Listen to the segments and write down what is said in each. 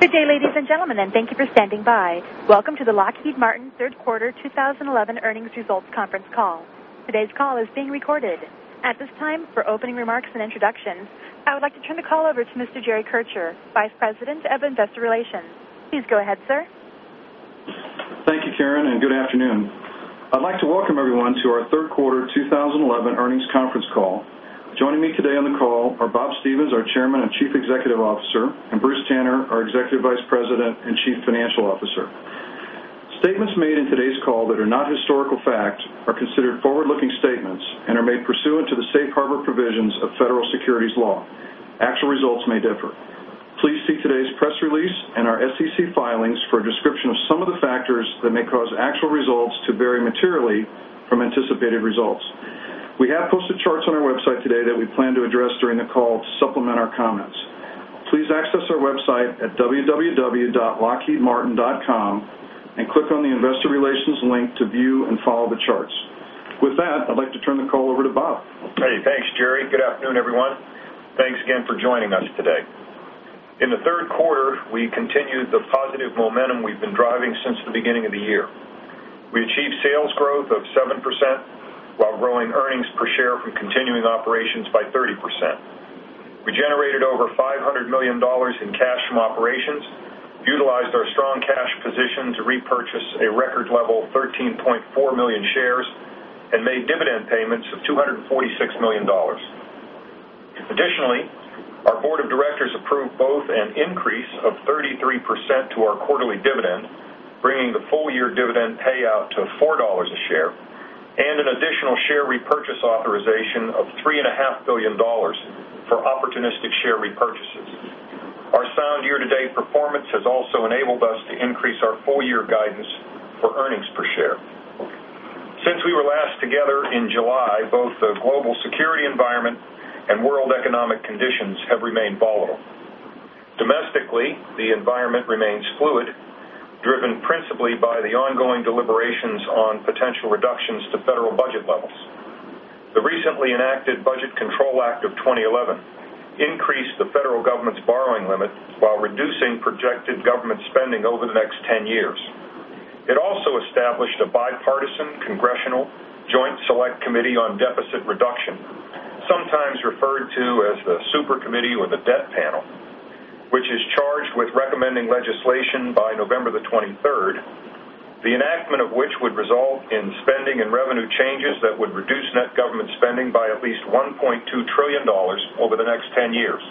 Good day, ladies and gentlemen, and thank you for standing by. Welcome to the Lockheed Martin Third Quarter 2011 Earnings Results Conference Call. Today's call is being recorded. At this time, for opening remarks and introductions, I would like to turn the call over to Mr. Jerry Kircher, Vice President of Investor Relations. Please go ahead, sir. Thank you, Karen, and good afternoon. I'd like to welcome everyone to our Third Quarter 2011 Earnings Conference call. Joining me today on the call are Bob Stevens, our Chairman and Chief Executive Officer, and Bruce Tanner, our Executive Vice President and Chief Financial Officer. Statements made in today's call that are not historical fact are considered forward-looking statements and are made pursuant to the safe harbor provisions of Federal Securities Law. Actual results may differ. Please see today's press release and our SEC filings for a description of some of the factors that may cause actual results to vary materially from anticipated results. We have posted charts on our website today that we plan to address during the call to supplement our comments. Please access our website at www.lockheedmartin.com and click on the Investor Relations link to view and follow the charts. With that, I'd like to turn the call over to Bob. Okay, thanks, Jerry. Good afternoon, everyone. Thanks again for joining us today. In the third quarter, we continued the positive momentum we've been driving since the beginning of the year. We achieved sales growth of 7% while growing earnings per share from continuing operations by 30%. We generated over $500 million in cash from operations, utilized our strong cash position to repurchase a record level of 13.4 million shares, and made dividend payments of $246 million. Additionally, our Board of Directors approved both an increase of 33% to our quarterly dividend, bringing the full-year dividend payout to $4 a share, and an additional share repurchase authorization of $3.5 billion for opportunistic share repurchases. Our sound year-to-date performance has also enabled us to increase our full-year guidance for earnings per share. Since we were last together in July, both the global security environment and world economic conditions have remained volatile. Domestically, the environment remains fluid, driven principally by the ongoing deliberations on potential reductions to federal budget levels. The recently enacted Budget Control Act of 2011 increased the federal government's borrowing limits while reducing projected government spending over the next 10 years. It also established a bipartisan congressional Joint Select Committee on Deficit Reduction, sometimes referred to as the Supercommittee or the Debt Panel, which is charged with recommending legislation by November 23rd, the enactment of which would result in spending and revenue changes that would reduce net government spending by at least $1.2 trillion over the next 10 years.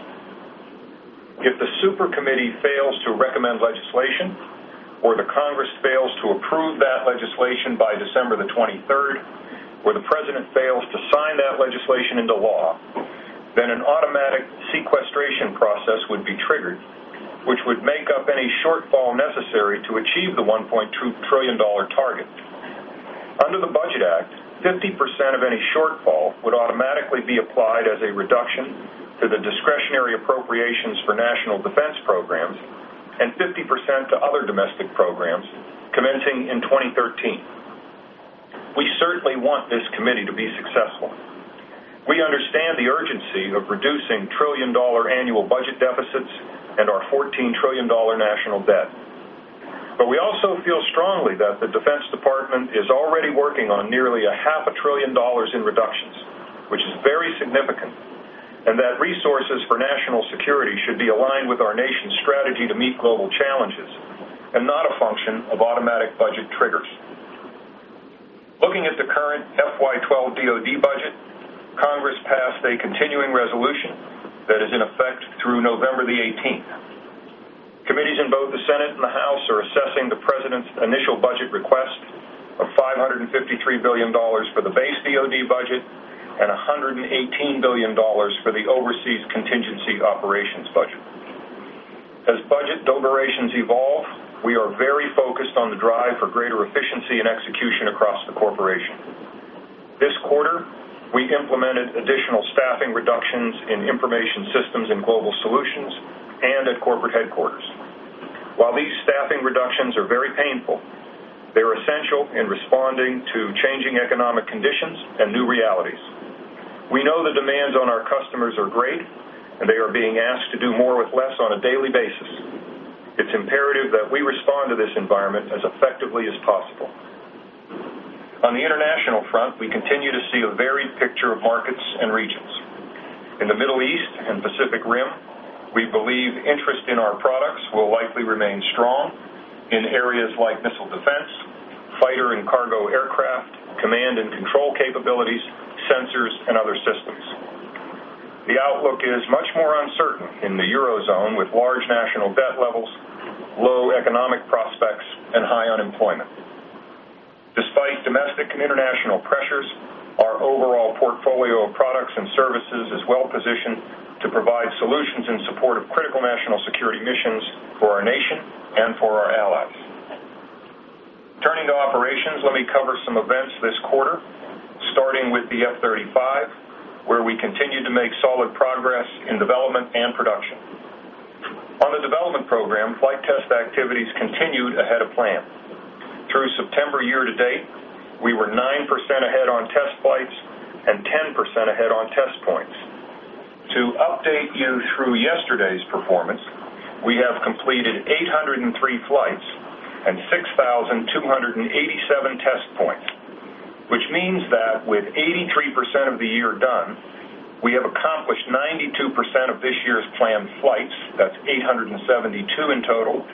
If the Supercommittee fails to recommend legislation or the Congress fails to approve that legislation by December 23rd, or the President fails to sign that legislation into law, an automatic sequestration process would be triggered, which would make up any shortfall necessary to achieve the $1.2 trillion target. Under the Budget Act, 50% of any shortfall would automatically be applied as a reduction to the discretionary appropriations for national defense programs and 50% to other domestic programs commencing in 2013. We certainly want this committee to be successful. We understand the urgency of reducing trillion-dollar annual budget deficits and our $14 trillion national debt. We also feel strongly that the Defense Department is already working on nearly half a trillion dollars in reductions, which is very significant, and that resources for national security should be aligned with our nation's strategy to meet global challenges and not a function of automatic budget triggers. Looking at the current FY 2012 DoD budget, Congress passed a continuing resolution that is in effect through November 18th. Committees in both the Senate and the House are assessing the President's initial budget request of $553 billion for the base DoD budget and $118 billion for the overseas contingency operations budget. As budget deliberations evolve, we are very focused on the drive for greater efficiency and execution across the corporation. This quarter, we implemented additional staffing reductions in information systems and global solutions and at corporate headquarters. While these staffing reductions are very painful, they're essential in responding to changing economic conditions and new realities. We know the demands on our customers are great, and they are being asked to do more with less on a daily basis. It's imperative that we respond to this environment as effectively as possible. On the international front, we continue to see a varied picture of markets and regions. In the Middle East and Pacific Rim, we believe interest in our products will likely remain strong in areas like missile defense, fighter and cargo aircraft, command and control capabilities, sensors, and other systems. The outlook is much more uncertain in the Eurozone with large national debt levels, low economic prospects, and high unemployment. Despite domestic and international pressures, our overall portfolio of products and services is well-positioned to provide solutions in support of critical national security missions for our nation and for our allies. Turning to operations, let me cover some events this quarter, starting with the F-35, where we continued to make solid progress in development and production. On the development program, flight test activities continued ahead of plan. Through September year to date, we were 9% ahead on test flights and 10% ahead on test points. To update you through yesterday's performance, we have completed 803 flights and 6,287 test points, which means that with 83% of the year done, we have accomplished 92% of this year's planned flights, that's 872 in total,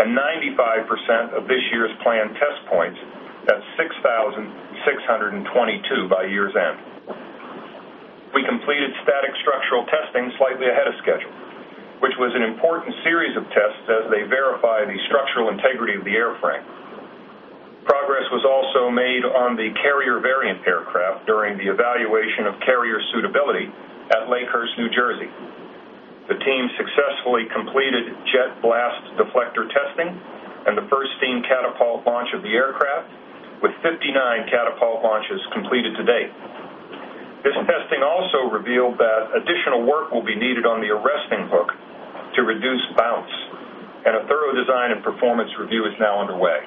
and 95% of this year's planned test points, that's 6,622 by year's end. We completed static structural testing slightly ahead of schedule, which was an important series of tests as they verify the structural integrity of the airframe. Progress was also made on the carrier variant aircraft during the evaluation of carrier suitability at Lakehurst, New Jersey. The team successfully completed jet blast deflector testing and the first steam catapult launch of the aircraft, with 59 catapult launches completed to date. This testing also revealed that additional work will be needed on the arresting hook to reduce bounce, and a thorough design and performance review is now underway.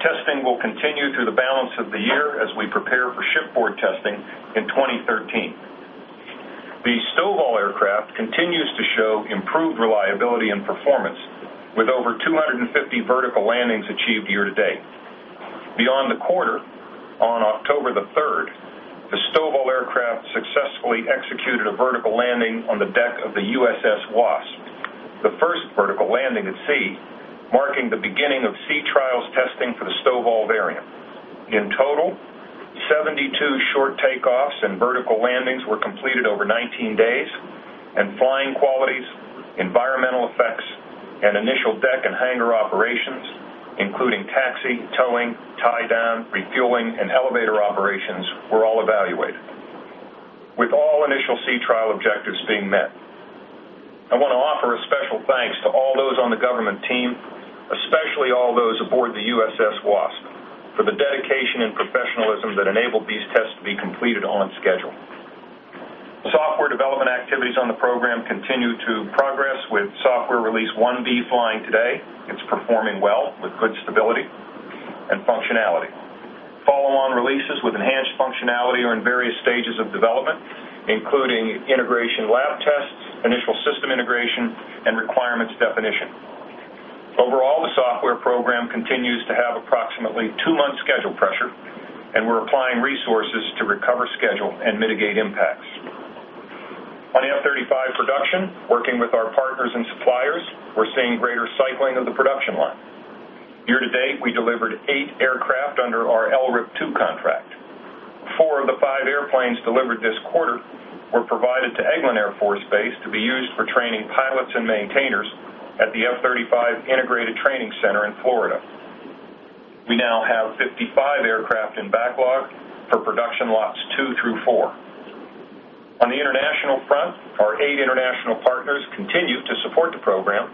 Testing will continue through the balance of the year as we prepare for shipboard testing in 2013. The STOVL aircraft continues to show improved reliability and performance, with over 250 vertical landings achieved year to date. Beyond the quarter, on October the 3rd, the STOVL aircraft successfully executed a vertical landing on the deck of the USS Wasp, the first vertical landing at sea, marking the beginning of sea trials testing for the STOVL variant. In total, 72 short takeoffs and vertical landings were completed over 19 days, and flying qualities, environmental effects, and initial deck and hangar operations, including taxi, towing, tie-down, refueling, and elevator operations, were all evaluated, with all initial sea trial objectives being met. I want to offer a special thanks to all those on the government team, especially all those aboard the USS Wasp, for the dedication and professionalism that enabled these tests to be completed on schedule. Software development activities on the program continue to progress, with software release 1B flying today. It's performing well with good stability and functionality. Follow-on releases with enhanced functionality are in various stages of development, including integration lab tests, initial system integration, and requirements definition. Overall, the software program continues to have approximately two months' schedule pressure, and we're applying resources to recover schedule and mitigate impacts. On the F-35 production, working with our partners and suppliers, we're seeing greater cycling of the production line. Year to date, we delivered eight aircraft under our LRIP2 contract. Four of the five airplanes delivered this quarter were provided to Eglin Air Force Base to be used for training pilots and maintainers at the F-35 Integrated Training Center in Florida. We now have 55 aircraft in backlog for production lots two through four. On the international front, our eight international partners continue to support the program,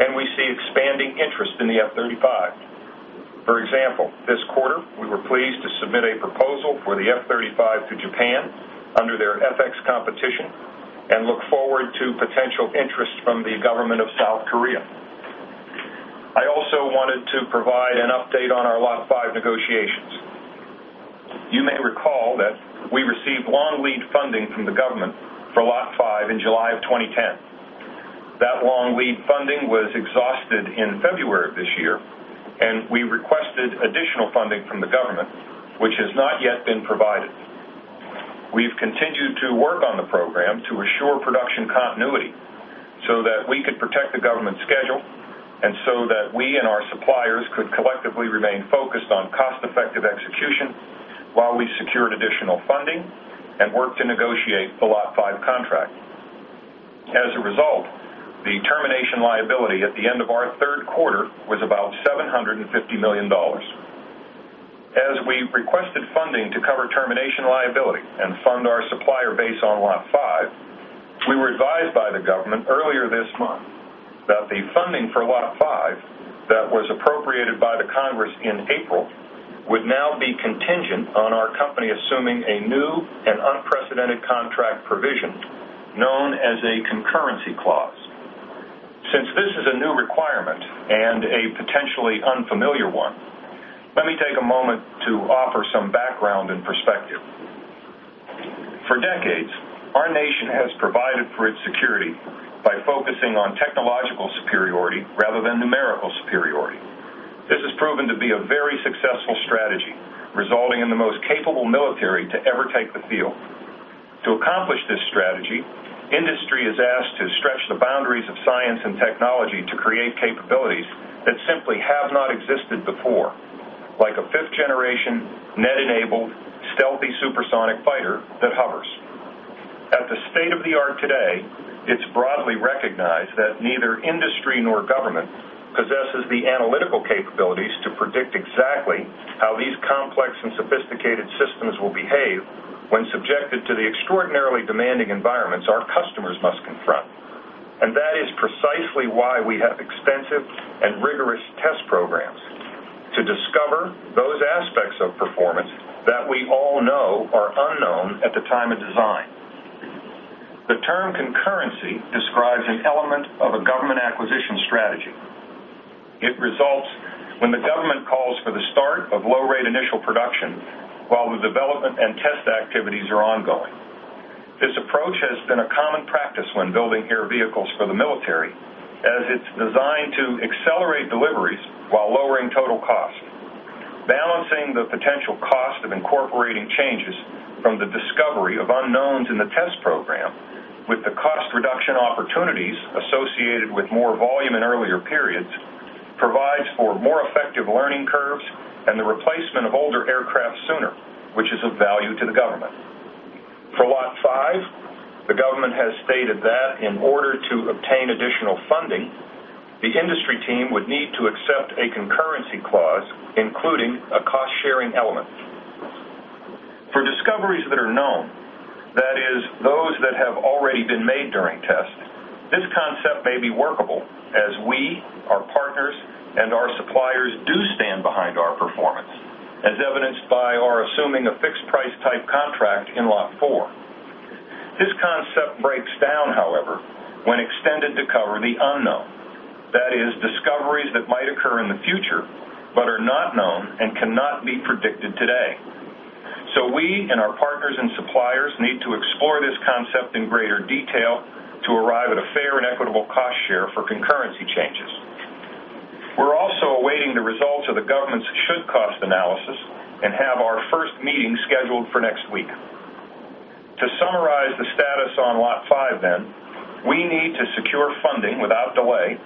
and we see expanding interest in the F-35. For example, this quarter, we were pleased to submit a proposal for the F-35 to Japan under their FX competition and look forward to potential interest from the government of South Korea. I also wanted to provide an update on our Lot 5 negotiations. You may recall that we received long-lead funding from the government for Lot 5 in July of 2010. That long-lead funding was exhausted in February of this year, and we requested additional funding from the government, which has not yet been provided. We've continued to work on the program to assure production continuity so that we could protect the government's schedule and so that we and our suppliers could collectively remain focused on cost-effective execution while we secured additional funding and worked to negotiate the Lot 5 contract. As a result, the termination liability at the end of our third quarter was about $750 million. As we've requested funding to cover termination liability and fund our supplier base on Lot 5, we were advised by the government earlier this month that the funding for Lot 5 that was appropriated by the Congress in April would now be contingent on our company assuming a new and unprecedented contract provision known as a concurrency clause. Since this is a new requirement and a potentially unfamiliar one, let me take a moment to offer some background and perspective. For decades, our nation has provided for its security by focusing on technological superiority rather than numerical superiority. This has proven to be a very successful strategy, resulting in the most capable military to ever take the field. To accomplish this strategy, industry has asked to stretch the boundaries of science and technology to create capabilities that simply have not existed before, like a fifth-generation net-enabled stealthy supersonic fighter that hovers. At the state of the art today, it's broadly recognized that neither industry nor government possesses the analytical capabilities to predict exactly how these complex and sophisticated systems will behave when subjected to the extraordinarily demanding environments our customers must confront. That is precisely why we have extensive and rigorous test programs to discover those aspects of performance that we all know are unknown at the time of design. The term concurrency describes an element of a government acquisition strategy. It results when the government calls for the start of low-rate initial production while the development and test activities are ongoing. This approach has been a common practice when building air vehicles for the military as it's designed to accelerate deliveries while lowering total cost, balancing the potential cost of incorporating changes from the discovery of unknowns in the test program with the cost reduction opportunities associated with more volume in earlier periods, provides for more effective learning curves and the replacement of older aircraft sooner, which is of value to the government. For Lot 5, the government has stated that in order to obtain additional funding, the industry team would need to accept a concurrency clause, including a cost-sharing element. For discoveries that are known, that is, those that have already been made during test, this concept may be workable as we, our partners, and our suppliers do stand behind our performance, as evidenced by our assuming a fixed-price type contract in Lot 4. This concept breaks down, however, when extended to cover the unknown, that is, discoveries that might occur in the future but are not known and cannot be predicted today. We and our partners and suppliers need to explore this concept in greater detail to arrive at a fair and equitable cost share for concurrency changes. We're also awaiting the results of the government's should-cost analysis and have our first meeting scheduled for next week. To summarize the status on Lot 5, we need to secure funding without delay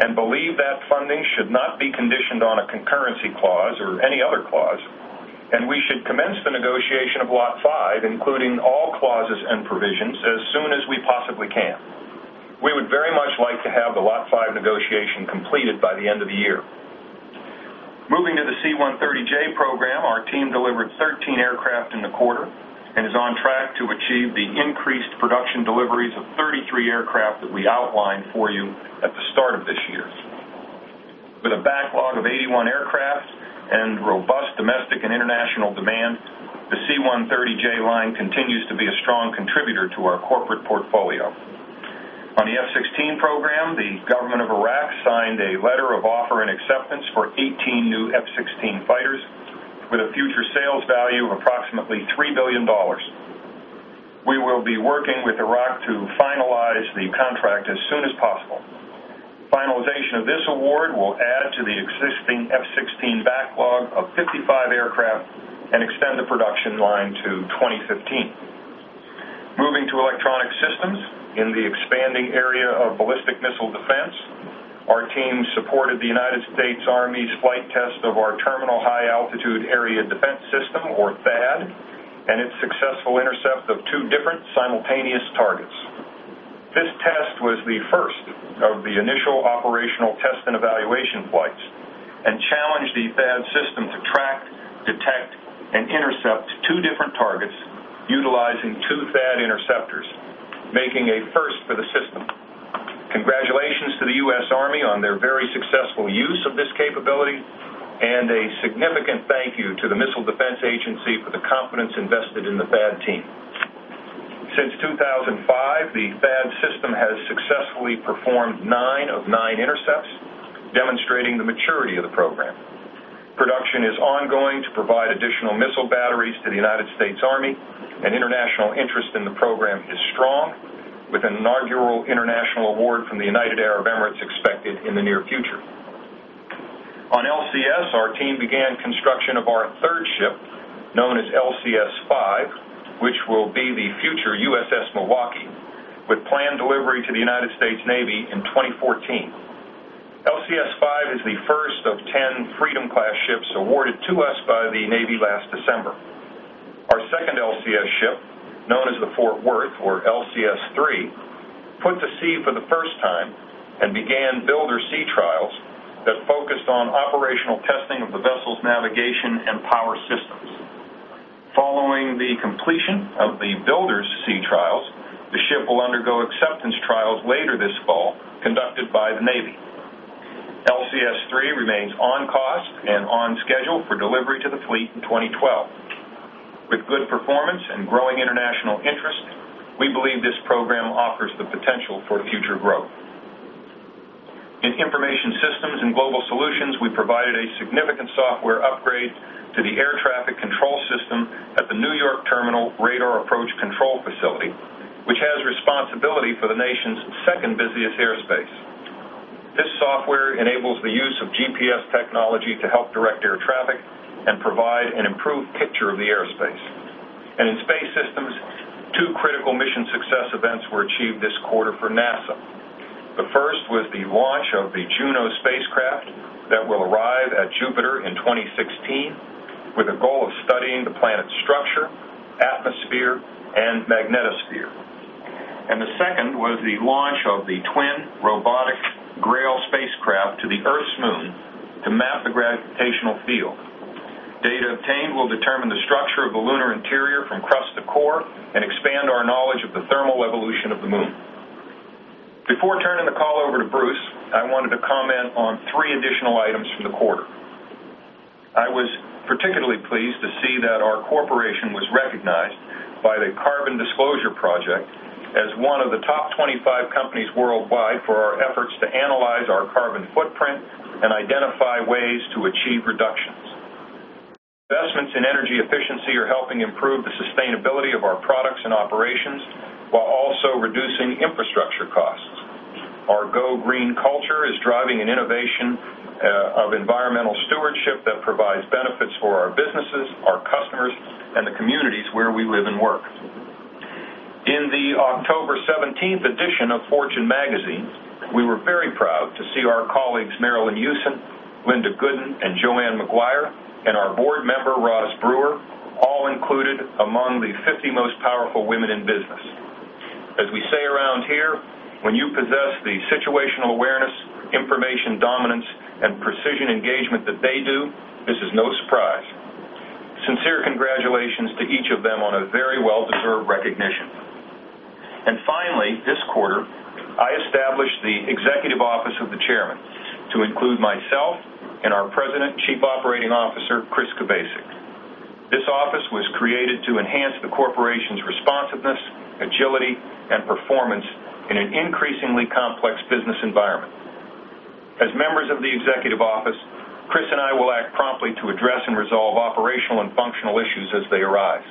and believe that funding should not be conditioned on a concurrency clause or any other clause, and we should commence the negotiation of Lot 5, including all clauses and provisions, as soon as we possibly can. We would very much like to have the Lot 5 negotiation completed by the end of the year. Moving to the C-130J program, our team delivered 13 aircraft in the quarter and is on track to achieve the increased production deliveries of 33 aircraft that we outlined for you at the start of this year. With a backlog of 81 aircraft and robust domestic and international demand, the C-130J line continues to be a strong contributor to our corporate portfolio. On the F-16 program, the government of Iraq signed a letter of offer and acceptance for 18 new F-16 fighters with a future sales value of approximately $3 billion. We will be working with Iraq to finalize the contract as soon as possible. Finalization of this award will add to the existing F-16 backlog of 55 aircraft and extend the production line to 2015. Moving to electronic systems, in the expanding area of ballistic missile defense, our team supported the United States Army's flight test of our Terminal High Altitude Area Defense system, or THAAD, and its successful intercept of two different simultaneous targets. This test was the first of the initial operational test and evaluation flights and challenged the THAAD system to track, detect, and intercept two different targets utilizing two THAAD interceptors, making a first for the system. Congratulations to the U.S. Army on their very successful use of this capability, and a significant thank you to the Missile Defense Agency for the confidence invested in the THAAD team. Since 2005, the THAAD system has successfully performed nine of nine intercepts, demonstrating the maturity of the program. Production is ongoing to provide additional missile batteries to the United States Army, and international interest in the program is strong, with an inaugural international award from the United Arab Emirates expected in the near future. On LCS, our team began construction of our third ship, known as LCS-5, which will be the future USS Milwaukee, with planned delivery to the United States Navy in 2014. LCS-5 is the first of 10 Freedom-class ships awarded to us by the Navy last December. Our second LCS ship, known as the Fort Worth or LCS-3, put to sea for the first time and began builder sea trials that focused on operational testing of the vessel's navigation and power systems. Following the completion of the builder's sea trials, the ship will undergo acceptance trials later this fall conducted by the Navy. LCS-3 remains on cost and on schedule for delivery to the fleet in 2012. With good performance and growing international interest, we believe this program offers the potential for future growth. In Information Systems and Global Solutions, we provided a significant software upgrade to the air traffic control system at the New York Terminal Radar Approach Control Facility, which has responsibility for the nation's second busiest airspace. This software enables the use of GPS technology to help direct air traffic and provide an improved picture of the airspace. In Space Systems, two critical mission success events were achieved this quarter for NASA. The first was the launch of the Juno spacecraft that will arrive at Jupiter in 2016 with a goal of studying the planet's structure, atmosphere, and magnetosphere. The second was the launch of the twin robotic GRAIL spacecraft to the Earth's moon to map the gravitational field. Data obtained will determine the structure of the lunar interior from crust to core and expand our knowledge of the thermal evolution of the moon. Before turning the call over to Bruce, I wanted to comment on three additional items from the quarter. I was particularly pleased to see that our corporation was recognized by the Carbon Disclosure Project as one of the top 25 companies worldwide for our efforts to analyze our carbon footprint and identify ways to achieve reductions. Investments in energy efficiency are helping improve the sustainability of our products and operations while also reducing infrastructure costs. Our Go Green culture is driving an innovation of environmental stewardship that provides benefits for our businesses, our customers, and the communities where we live and work. In the October 17th edition of Fortune Magazine, we were very proud to see our colleagues Marillyn Hewson, Linda Gooden, and Joanne Maguire, and our board member Ross Brewer all included among the 50 most powerful women in business. As we say around here, when you possess the situational awareness, information dominance, and precision engagement that they do, this is no surprise. Sincere congratulations to each of them on a very well-deserved recognition. Finally, this quarter, I established the Executive Office of the Chairman to include myself and our President, Chief Operating Officer, Christopher Kubasik. This office was created to enhance the corporation's responsiveness, agility, and performance in an increasingly complex business environment. As members of the Executive Office, Chris and I will act promptly to address and resolve operational and functional issues as they arise.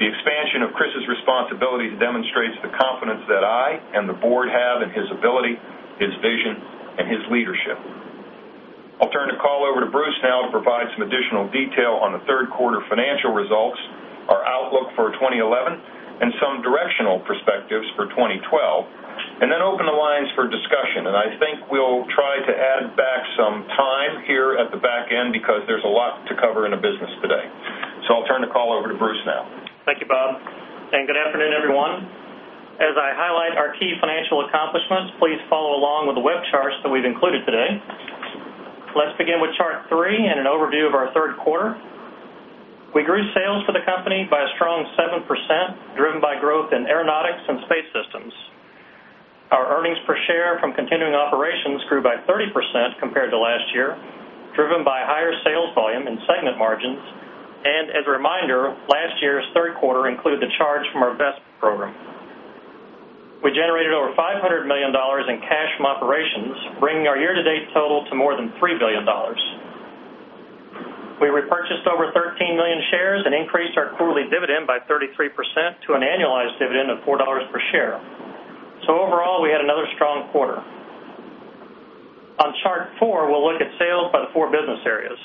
The expansion of Chris's responsibilities demonstrates the confidence that I and the board have in his ability, his vision, and his leadership. I'll turn the call over to Bruce now to provide some additional detail on the third quarter financial results, our outlook for 2011, and some directional perspectives for 2012, then open the lines for discussion. I think we'll try to add back some time here at the back end because there's a lot to cover in a business today. I'll turn the call over to Bruce now. Thank you, Bob. Good afternoon, everyone. As I highlight our key financial accomplishments, please follow along with the web charts that we've included today. Let's begin with chart three and an overview of our third quarter. We grew sales for the company by a strong 7%, driven by growth in Aeronautics and Space Systems. Our earnings per share from continuing operations grew by 30% compared to last year, driven by higher sales volume and segment margins. As a reminder, last year's third quarter included the charge from our investment program. We generated over $500 million in cash from operations, bringing our year-to-date total to more than $3 billion. We repurchased over 13 million shares and increased our quarterly dividend by 33% to an annualized dividend of $4 per share. Overall, we had another strong quarter. On chart four, we'll look at sales by the four business areas.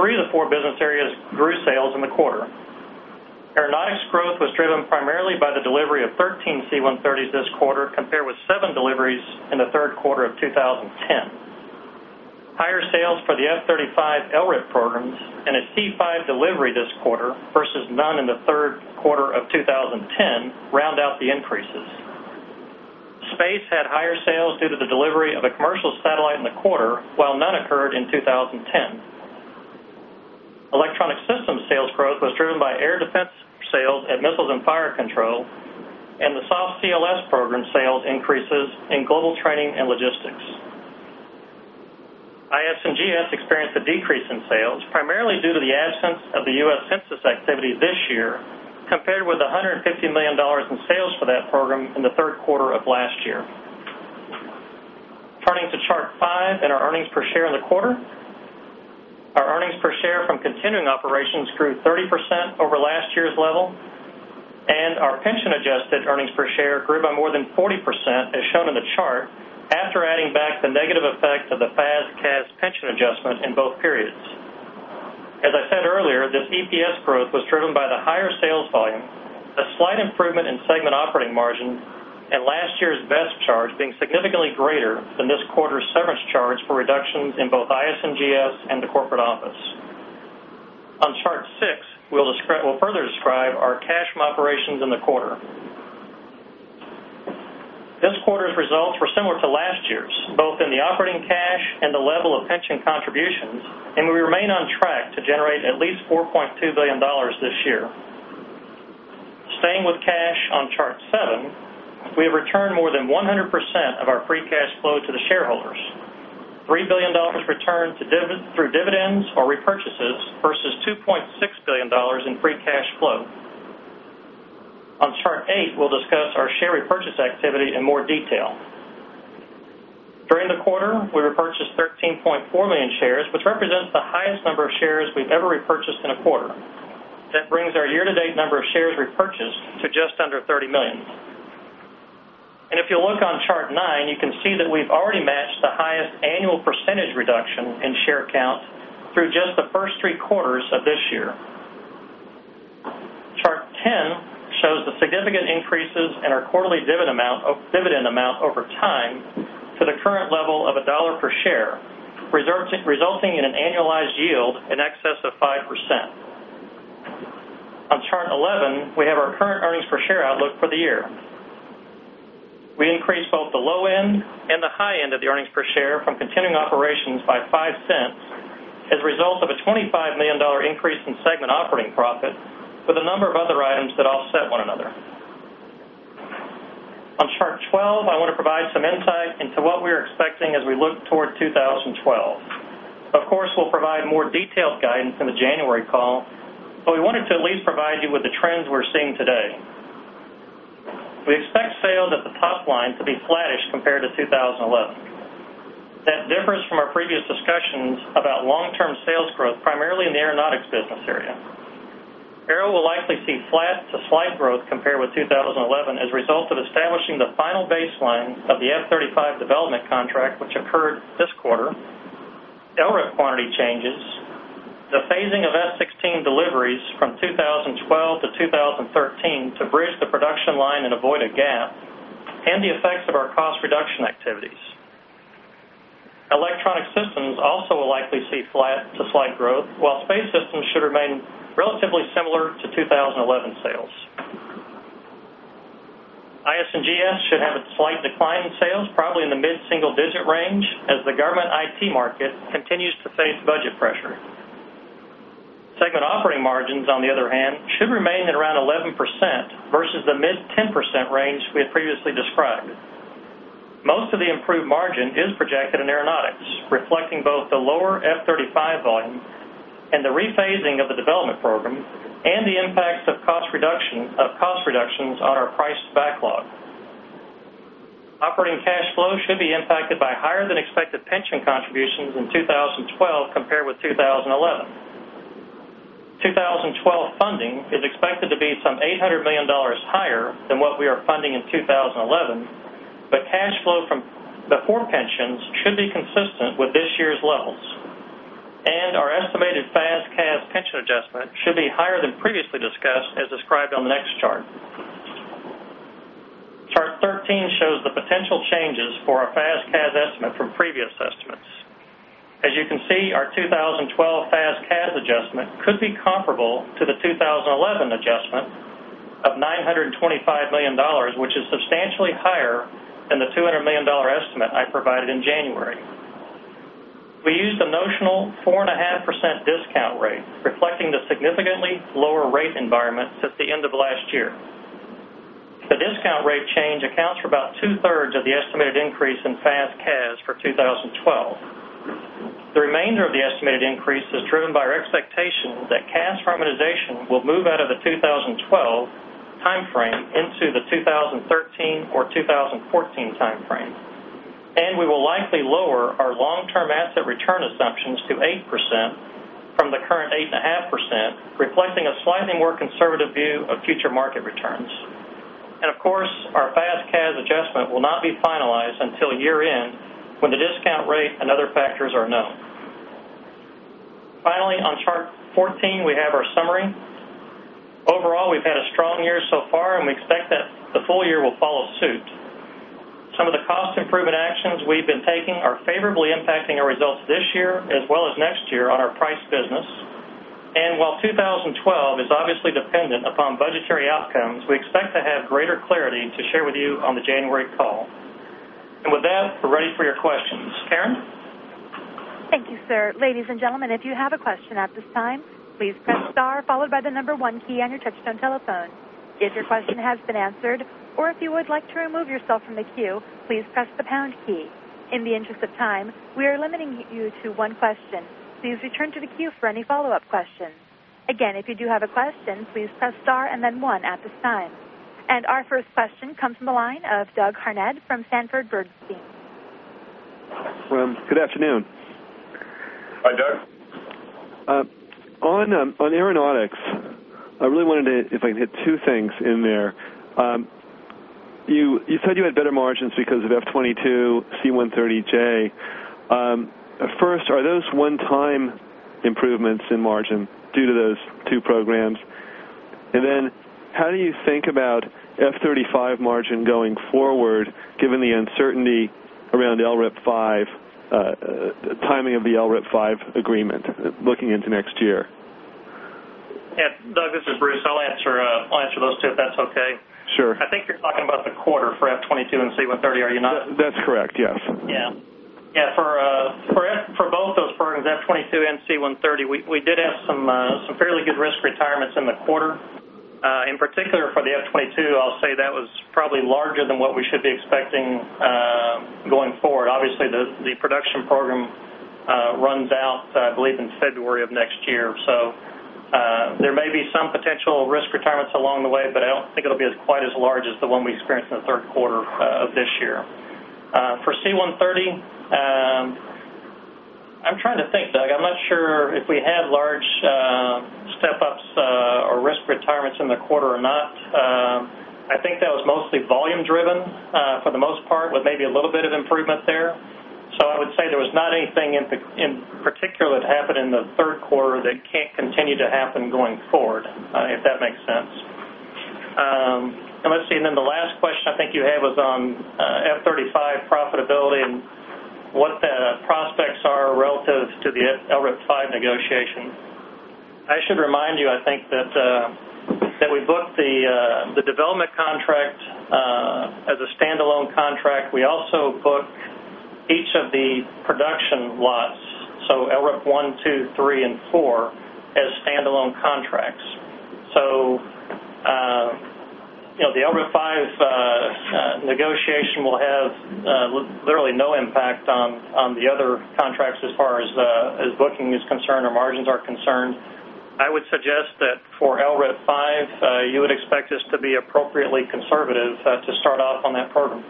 Three of the four business areas grew sales in the quarter. Aeronautics growth was driven primarily by the delivery of 13 C-130J aircraft this quarter, compared with seven deliveries in the third quarter of 2010. Higher sales for the F-35 LRIP programs and a C-5 delivery this quarter versus none in the third quarter of 2010 round out the increases. Space had higher sales due to the delivery of a commercial satellite in the quarter, while none occurred in 2010. Electronic Systems sales growth was driven by air defense sales at Missiles and Fire Control, and the soft CLS program sales increases in Global Training and Logistics. IS&GS experienced a decrease in sales, primarily due to the absence of the U.S. Census activity this year, compared with $150 million in sales for that program in the third quarter of last year. Turning to chart five and our earnings per share in the quarter, our earnings per share from continuing operations grew 30% over last year's level, and our pension-adjusted earnings per share grew by more than 40%, as shown in the chart, after adding back the negative effect of the FAS/CAS pension adjustment in both periods. As I said earlier, this EPS growth was driven by the higher sales volume, a slight improvement in segment operating margins, and last year's VESP charge being significantly greater than this quarter's severance charge for reductions in both IS&GS and the corporate office. On chart six, we'll further describe our cash from operations in the quarter. This quarter's results were similar to last year's, both in the operating cash and the level of pension contributions, and we remain on track to generate at least $4.2 billion this year. Staying with cash on chart seven, we have returned more than 100% of our free cash flow to the shareholders. $3 billion returned through dividends or repurchases versus $2.6 billion in free cash flow. On chart eight, we'll discuss our share repurchase activity in more detail. During the quarter, we repurchased 13.4 million shares, which represents the highest number of shares we've ever repurchased in a quarter. That brings our year-to-date number of shares repurchased to just under 30 million. If you look on chart nine, you can see that we've already matched the highest annual percentage reduction in share count through just the first three quarters of this year. Chart 10 shows the significant increases in our quarterly dividend amount over time to the current level of $1 per share, resulting in an annualized yield in excess of 5%. On chart 11, we have our current earnings per share outlook for the year. We increased both the low end and the high end of the earnings per share from continuing operations by $0.05 as a result of a $25 million increase in segment operating profit for the number of other items that offset one another. On chart 12, I want to provide some insight into what we are expecting as we look toward 2012. Of course, we'll provide more detailed guidance in the January call, but we wanted to at least provide you with the trends we're seeing today. We expect sales at the top line to be flattish compared to 2011. That differs from our previous discussions about long-term sales growth, primarily in the aeronautics business area. Aero will likely see flat to slight growth compared with 2011 as a result of establishing the final baseline of the F-35 development contract, which occurred this quarter. LRIP quantity changes, the phasing of F-16 deliveries from 2012 to 2013 to bridge the production line and avoid a gap, and the effects of our cost reduction activities. Electronic systems also will likely see flat to slight growth, while space systems should remain relatively similar to 2011 sales. IS&GS should have a slight decline in sales, probably in the mid-single-digit range, as the government IT market continues to face budget pressure. Segment operating margins, on the other hand, should remain at around 11% versus the mid-10% range we had previously described. Most of the improved margin is projected in aeronautics, reflecting both the lower F-35 volume and the rephasing of the development program and the impacts of cost reductions on our priced backlog. Operating cash flow should be impacted by higher than expected pension contributions in 2012 compared with 2011. 2012 funding is expected to be some $800 million higher than what we are funding in 2011, but cash flow from the form pensions should be consistent with this year's levels, and our estimated FAS/CAS pension adjustment should be higher than previously discussed, as described on the next chart. Chart 13 shows the potential changes for our FAS/CAS estimate from previous estimates. As you can see, our 2012 FAS/CAS adjustment could be comparable to the 2011 adjustment of $0.925 billion, which is substantially higher than the $0.2 billion estimate I provided in January. We used a notional 4.5% discount rate, reflecting the significantly lower rate environment at the end of last year. The discount rate change accounts for about two-thirds of the estimated increase in FAS/CAS for 2012. The remainder of the estimated increase is driven by our expectation that CAS harmonization will move out of the 2012 timeframe into the 2013 or 2014 timeframe, and we will likely lower our long-term asset return assumptions to 8% from the current 8.5%, reflecting a slightly more conservative view of future market returns. Of course, our FAS/CAS adjustment will not be finalized until year-end when the discount rate and other factors are known. Finally, on chart 14, we have our summary. Overall, we've had a strong year so far, and we expect that the full year will follow suit. Some of the cost improvement actions we've been taking are favorably impacting our results this year as well as next year on our price business. While 2012 is obviously dependent upon budgetary outcomes, we expect to have greater clarity to share with you on the January call. With that, we're ready for your questions. Karen? Thank you, sir. Ladies and gentlemen, if you have a question at this time, please press Star followed by the number one key on your touch-tone telephone. If your question has been answered or if you would like to remove yourself from the queue, please press the Pound key. In the interest of time, we are limiting you to one question. Please return to the queue for any follow-up questions. Again, if you do have a question, please press Star and then one at this time. Our first question comes from the line of Douglas Harned from Sanford Bernstein. Good afternoon. Hi, Doug. On aeronautics, I really wanted to, if I can, hit two things in there. You said you had better margins because of F-22, C-130J. First, are those one-time improvements in margin due to those two programs? How do you think about F-35 margin going forward, given the uncertainty around LRIP 5, the timing of the LRIP 5 agreement looking into next year? Doug, this is Bruce. I'll answer those two if that's okay. Sure. I think you're talking about the quarter for F-22 and C-130J, are you not? That's correct, yes. Yeah, for both those programs, F-22 and C-130, we did have some fairly good risk retirements in the quarter. In particular, for the F-22, I'll say that was probably larger than what we should be expecting going forward. Obviously, the production program runs out, I believe, in February of next year. There may be some potential risk retirements along the way, but I don't think it'll be quite as large as the one we experienced in the third quarter of this year. For C-130, I'm trying to think, Doug. I'm not sure if we had large step-ups or risk retirements in the quarter or not. I think that was mostly volume-driven for the most part, with maybe a little bit of improvement there. I would say there was not anything in particular that happened in the third quarter that can't continue to happen going forward, if that makes sense. The last question I think you have was on F-35 profitability and what the prospects are relative to the LRIP-5 negotiation. I should remind you, I think, that we booked the development contract as a standalone contract. We also book each of the production lots, so LRIP-1, 2, 3, and 4, as standalone contracts. The LRIP-5 negotiation will have literally no impact on the other contracts as far as booking is concerned or margins are concerned. I would suggest that for LRIP-5, you would expect us to be appropriately conservative to start off on that program.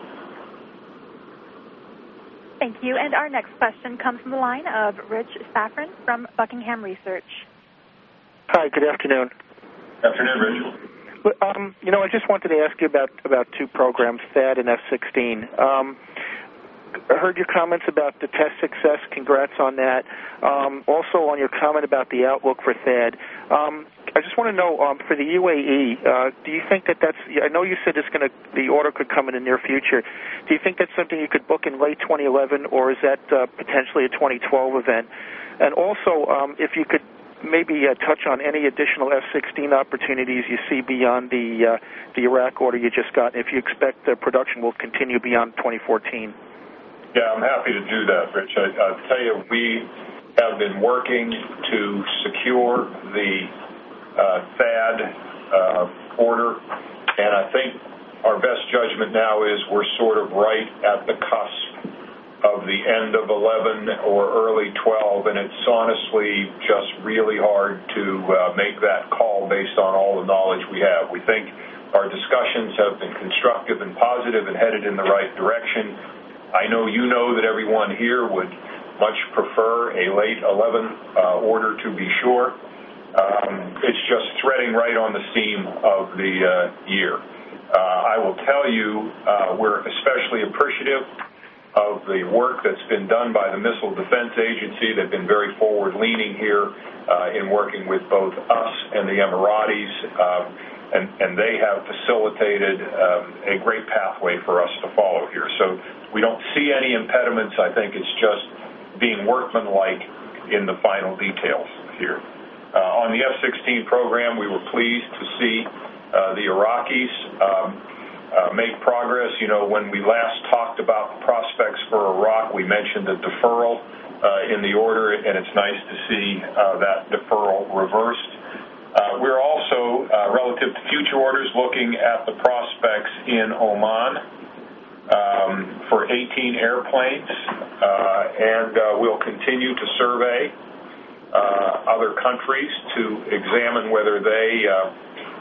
Thank you. Our next question comes from the line of Rich Safran from Buckingham Research. Hi, good afternoon. Good afternoon, Rich. I just wanted to ask you about two programs, THAAD and F-16. I heard your comments about the test success. Congrats on that. Also, on your comment about the outlook for THAAD, I just want to know, for the UAE, do you think that that's—I know you said the order could come in the near future. Do you think that's something you could book in late 2011, or is that potentially a 2012 event? Also, if you could maybe touch on any additional F-16 opportunities you see beyond the Iraq order you just got, and if you expect production will continue beyond 2014. Yeah, I'm happy to do that, Rich. I'll tell you, we have been working to secure the THAAD order, and I think our best judgment now is we're sort of right at the cusp of the end of 2011 or early 2012. It's honestly just really hard to make that call based on all the knowledge we have. We think our discussions have been constructive and positive and headed in the right direction. I know you know that everyone here would much prefer a late 2011 order to be sure. It's just threading right on the theme of the year. I will tell you we're especially appreciative of the work that's been done by the Missile Defense Agency. They've been very forward-leaning here in working with both us and the Emiratis, and they have facilitated a great pathway for us to follow here. We don't see any impediments. I think it's just being workmanlike in the final details here. On the F-16 program, we were pleased to see the Iraqis make progress. You know, when we last talked about the prospects for Iraq, we mentioned a deferral in the order, and it's nice to see that deferral reversed. We're also, relative to future orders, looking at the prospects in Oman for 18 airplanes, and we'll continue to survey other countries to examine whether they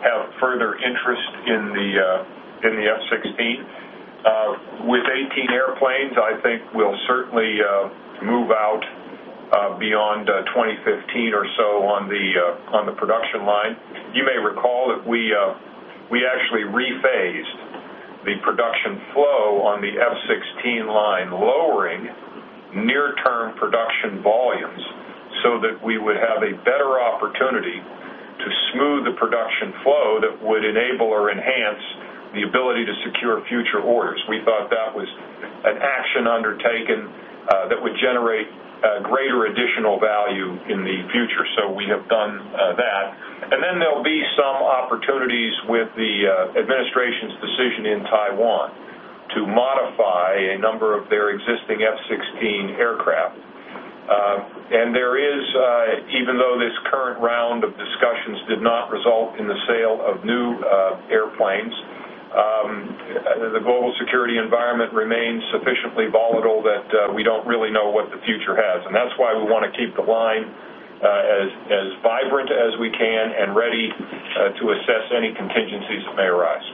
have further interest in the F-16. With 18 airplanes, I think we'll certainly move out beyond 2015 or so on the production line. You may recall that we actually rephased the production flow on the F-16 line, lowering near-term production volumes so that we would have a better opportunity to smooth the production flow that would enable or enhance the ability to secure future orders. We thought that was an action undertaken that would generate greater additional value in the future. We have done that. There'll be some opportunities with the administration's decision in Taiwan to modify a number of their existing F-16 aircraft. Even though this current round of discussions did not result in the sale of new airplanes, the global security environment remains sufficiently volatile that we don't really know what the future has. That's why we want to keep the line as vibrant as we can and ready to assess any contingencies that may arise.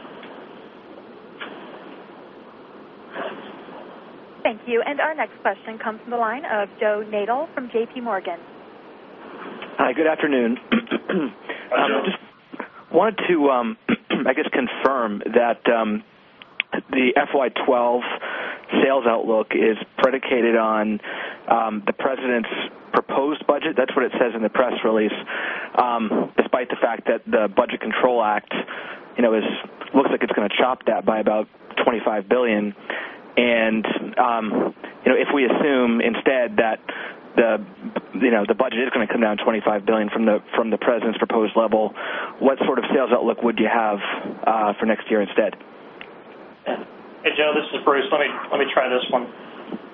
Thank you. Our next question comes from the line of Joe Nadol from JPMorgan. Hi, good afternoon. I just want to confirm that the FY 2012 sales outlook is predicated on the president's proposed budget. That's what it says in the press release, despite the fact that the Budget Control Act of 2011 looks like it's going to chop that by about $25 billion. If we assume instead that the budget is going to come down $25 billion from the president's proposed level, what sort of sales outlook would you have for next year instead? Hey, Joe, this is Bruce. Let me try this one.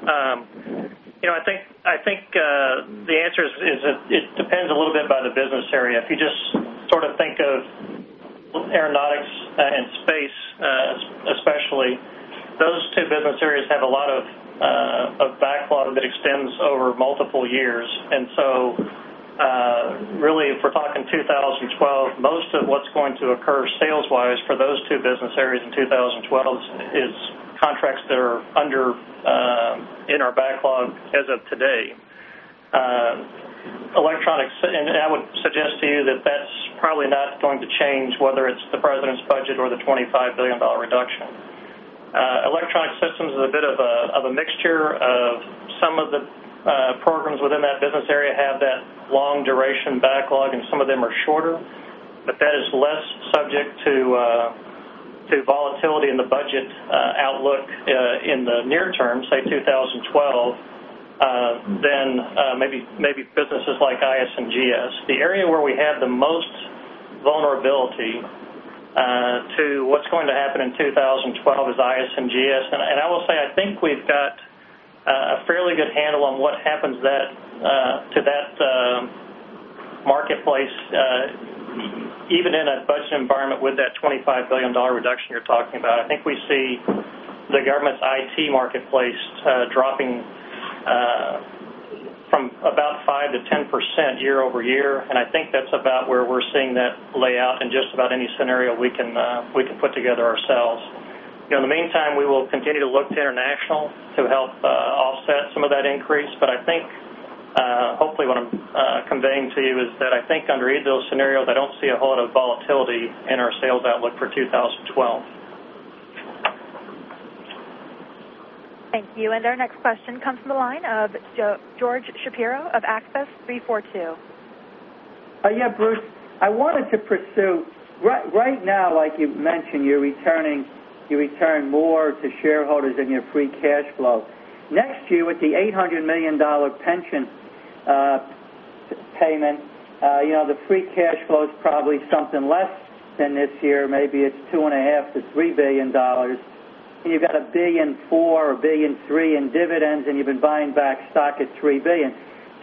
I think the answer is it depends a little bit by the business area. If you just sort of think of aeronautics and space especially, those two business areas have a lot of backlog that extends over multiple years. If we're talking 2012, most of what's going to occur sales-wise for those two business areas in 2012 is contracts that are in our backlog as of today. Electronics, and I would suggest to you that that's probably not going to change whether it's the president's budget or the $25 billion reduction. Electrosic Systems is a bit of a mixture; some of the programs within that business area have that long duration backlog, and some of them are shorter, but that is less subject to volatility in the budget outlook in the near term, say 2012, than maybe businesses like IS&GS. The area where we have the most vulnerability to what's going to happen in 2012 is IS&GS. I will say I think we've got a fairly good handle on what happens to that marketplace, even in a budget environment with that $25 billion reduction you're talking about. I think we see the government's IT marketplace dropping from about 5%-10% year-over-year, and I think that's about where we're seeing that layout in just about any scenario we could put together ourselves. In the meantime, we will continue to look to international to help offset some of that increase. I think hopefully what I'm conveying to you is that I think under either of those scenarios, I don't see a whole lot of volatility in our sales outlook for 2012. Thank you. Our next question comes from the line of George Shapiro of Access 3:42. Yeah, Bruce, I wanted to pursue right now, like you mentioned, you're returning more to shareholders in your free cash flow. Next year, with the $800 million pension payment, you know the free cash flow is probably something less than this year. Maybe it's $2.5 billion-$3 billion. You've got $1.4 billion or $1.3 billion in dividends, and you've been buying back stock at $3 billion.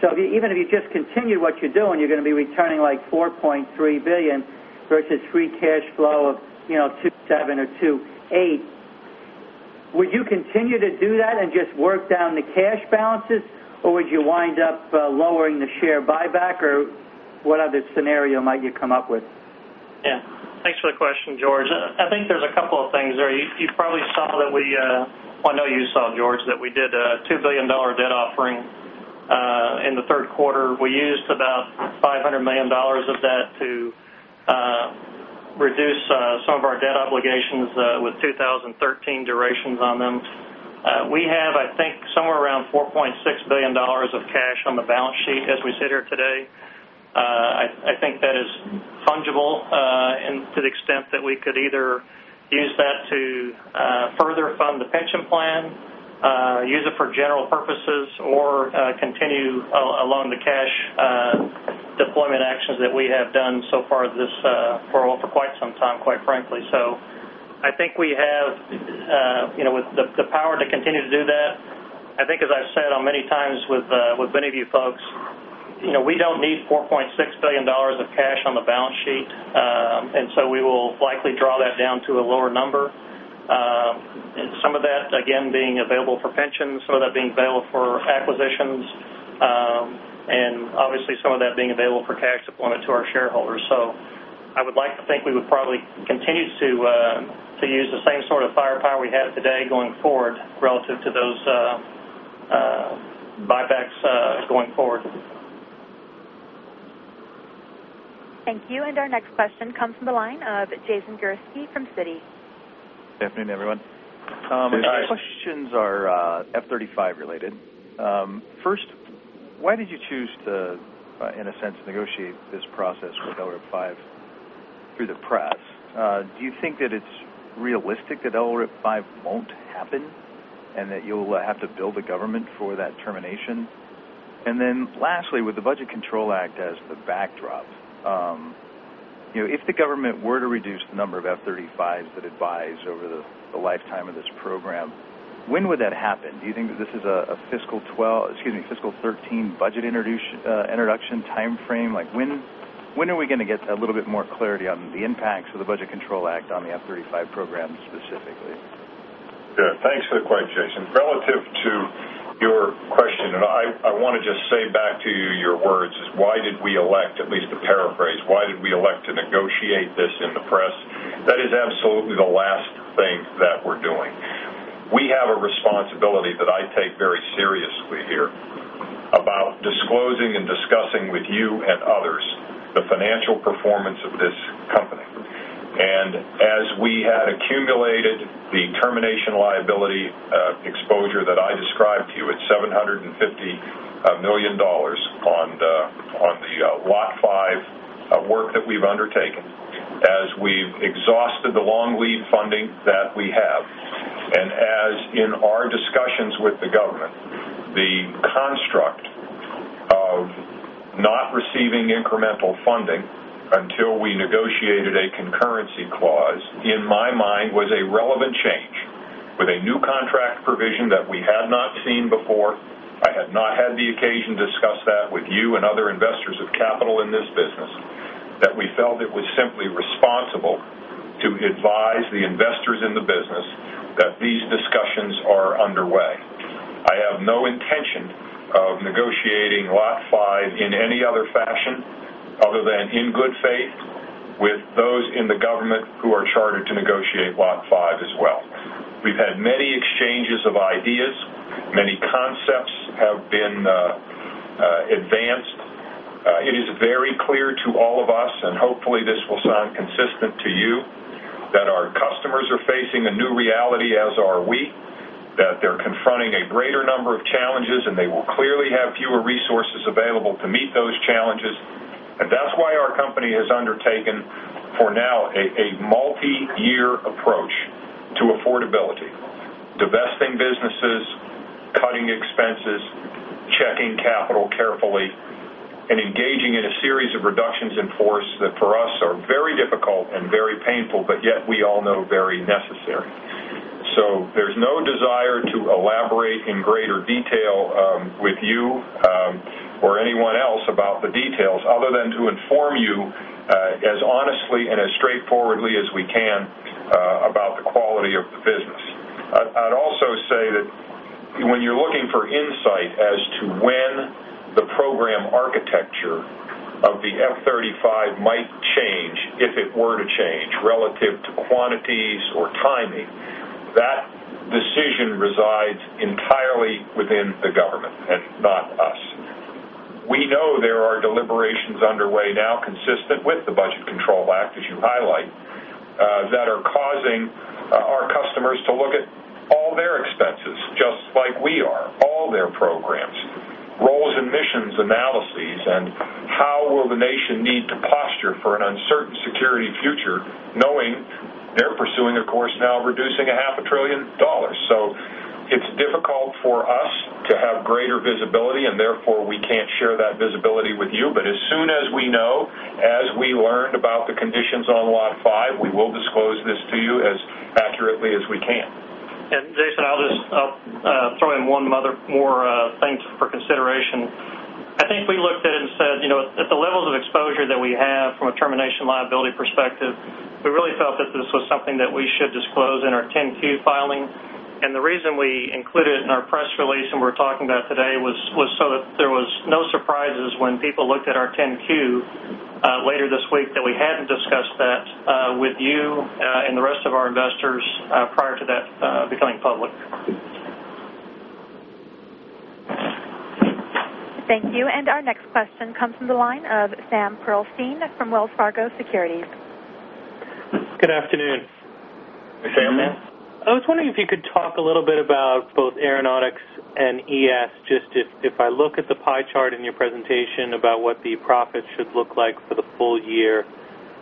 Even if you just continue what you're doing, you're going to be returning like $4.3 billion versus free cash flow of $2.7 billion or $2.8 billion. Would you continue to do that and just work down the cash balances, or would you wind up lowering the share buyback, or what other scenario might you come up with? Yeah, thanks for the question, George. I think there's a couple of things there. You probably saw that we, I know you saw, George, that we did a $2 billion debt offering in the third quarter. We used about $500 million of that to reduce some of our debt obligations with 2013 durations on them. We have, I think, somewhere around $4.6 billion of cash on the balance sheet as we sit here today. I think that is fungible to the extent that we could either use that to further fund the pension plan, use it for general purposes, or continue along the cash deployment actions that we have done so far for quite some time, quite frankly. I think we have the power to continue to do that. As I've said many times with many of you folks, you know we don't need $4.6 billion of cash on the balance sheet. We will likely draw that down to a lower number, some of that, again, being available for pensions, some of that being available for acquisitions, and obviously some of that being available for cash deployment to our shareholders. I would like to think we would probably continue to use the same sort of firepower we had today going forward relative to those buybacks going forward. Thank you. Our next question comes from the line of Jason Gursky from Citi. Good afternoon, everyone. My questions are F-35 related. First, why did you choose to, in a sense, negotiate this process with LRIP-5 through the press? Do you think that it's realistic that LRIP-5 won't happen and that you'll have to build a government for that termination? Lastly, with the Budget Control Act as the backdrop, if the government were to reduce the number of F-35s that it buys over the lifetime of this program, when would that happen? Do you think that this is a fiscal 2012, excuse me, fiscal 2013 budget introduction timeframe? When are we going to get a little bit more clarity on the impacts of the Budget Control Act on the F-35 program specifically? Yeah, thanks for the question, Jason. Relative to your question, and I want to just say back to you your words, is why did we elect, at least to paraphrase, why did we elect to negotiate this in the press? That is absolutely the last thing that we're doing. We have a responsibility that I take very seriously here about disclosing and discussing with you and others the financial performance of this company. As we had accumulated the termination liability exposure that I described to you at $750 million on the Lot 5 work that we've undertaken, as we've exhausted the long lead funding that we have, and as in our discussions with the government, the construct of not receiving incremental funding until we negotiated a concurrency clause, in my mind, was a relevant change with a new contract provision that we had not seen before. I had not had the occasion to discuss that with you and other investors of capital in this business, that we felt it was simply responsible to advise the investors in the business that these discussions are underway. I have no intention of negotiating Lot 5 in any other fashion other than in good faith with those in the government who are chartered to negotiate Lot 5 as well. We've had many exchanges of ideas. Many concepts have been advanced. It is very clear to all of us, and hopefully this will sound consistent to you, that our customers are facing a new reality, as are we, that they're confronting a greater number of challenges, and they will clearly have fewer resources available to meet those challenges. That's why our company has undertaken, for now, a multi-year approach to affordability, divesting businesses, cutting expenses, checking capital carefully, and engaging in a series of reductions in force that for us are very difficult and very painful, but yet we all know very necessary. There's no desire to elaborate in greater detail with you or anyone else about the details other than to inform you as honestly and as straightforwardly as we can about the quality of the business. I'd also say that when you're looking for insight as to when the program architecture of the F-35 might change, if it were to change, relative to quantities or timing, that decision resides entirely within the government and not us. We know there are deliberations underway now consistent with the Budget Control Act, as you highlight, that are causing our customers to look at all their expenses, just like we are, all their programs, role of emissions analyses, and how will the nation need to posture for an uncertain security future, knowing they're pursuing a course now of reducing $0.5 trillion. It's difficult for us to have greater visibility, and therefore we can't share that visibility with you. As soon as we know, as we learned about the conditions on Lot 5, we will disclose this to you as accurately as we can. Jason, I'll just throw in one other thing for consideration. I think we looked at it and said, you know, at the levels of exposure that we have from a termination liability perspective, we really felt that this was something that we should disclose in our 10-Q filing. The reason we included it in our press release and we're talking about it today was so that there were no surprises when people looked at our 10-Q later this week that we hadn't discussed that with you and the rest of our investors prior to that becoming public. Thank you. Our next question comes from the line of Sam Pearlstein from Wells Fargo Securities Good afternoon. Hey, Sam. I was wondering if you could talk a little bit about both aeronautics and ES. If I look at the pie chart in your presentation about what the profits should look like for the full year,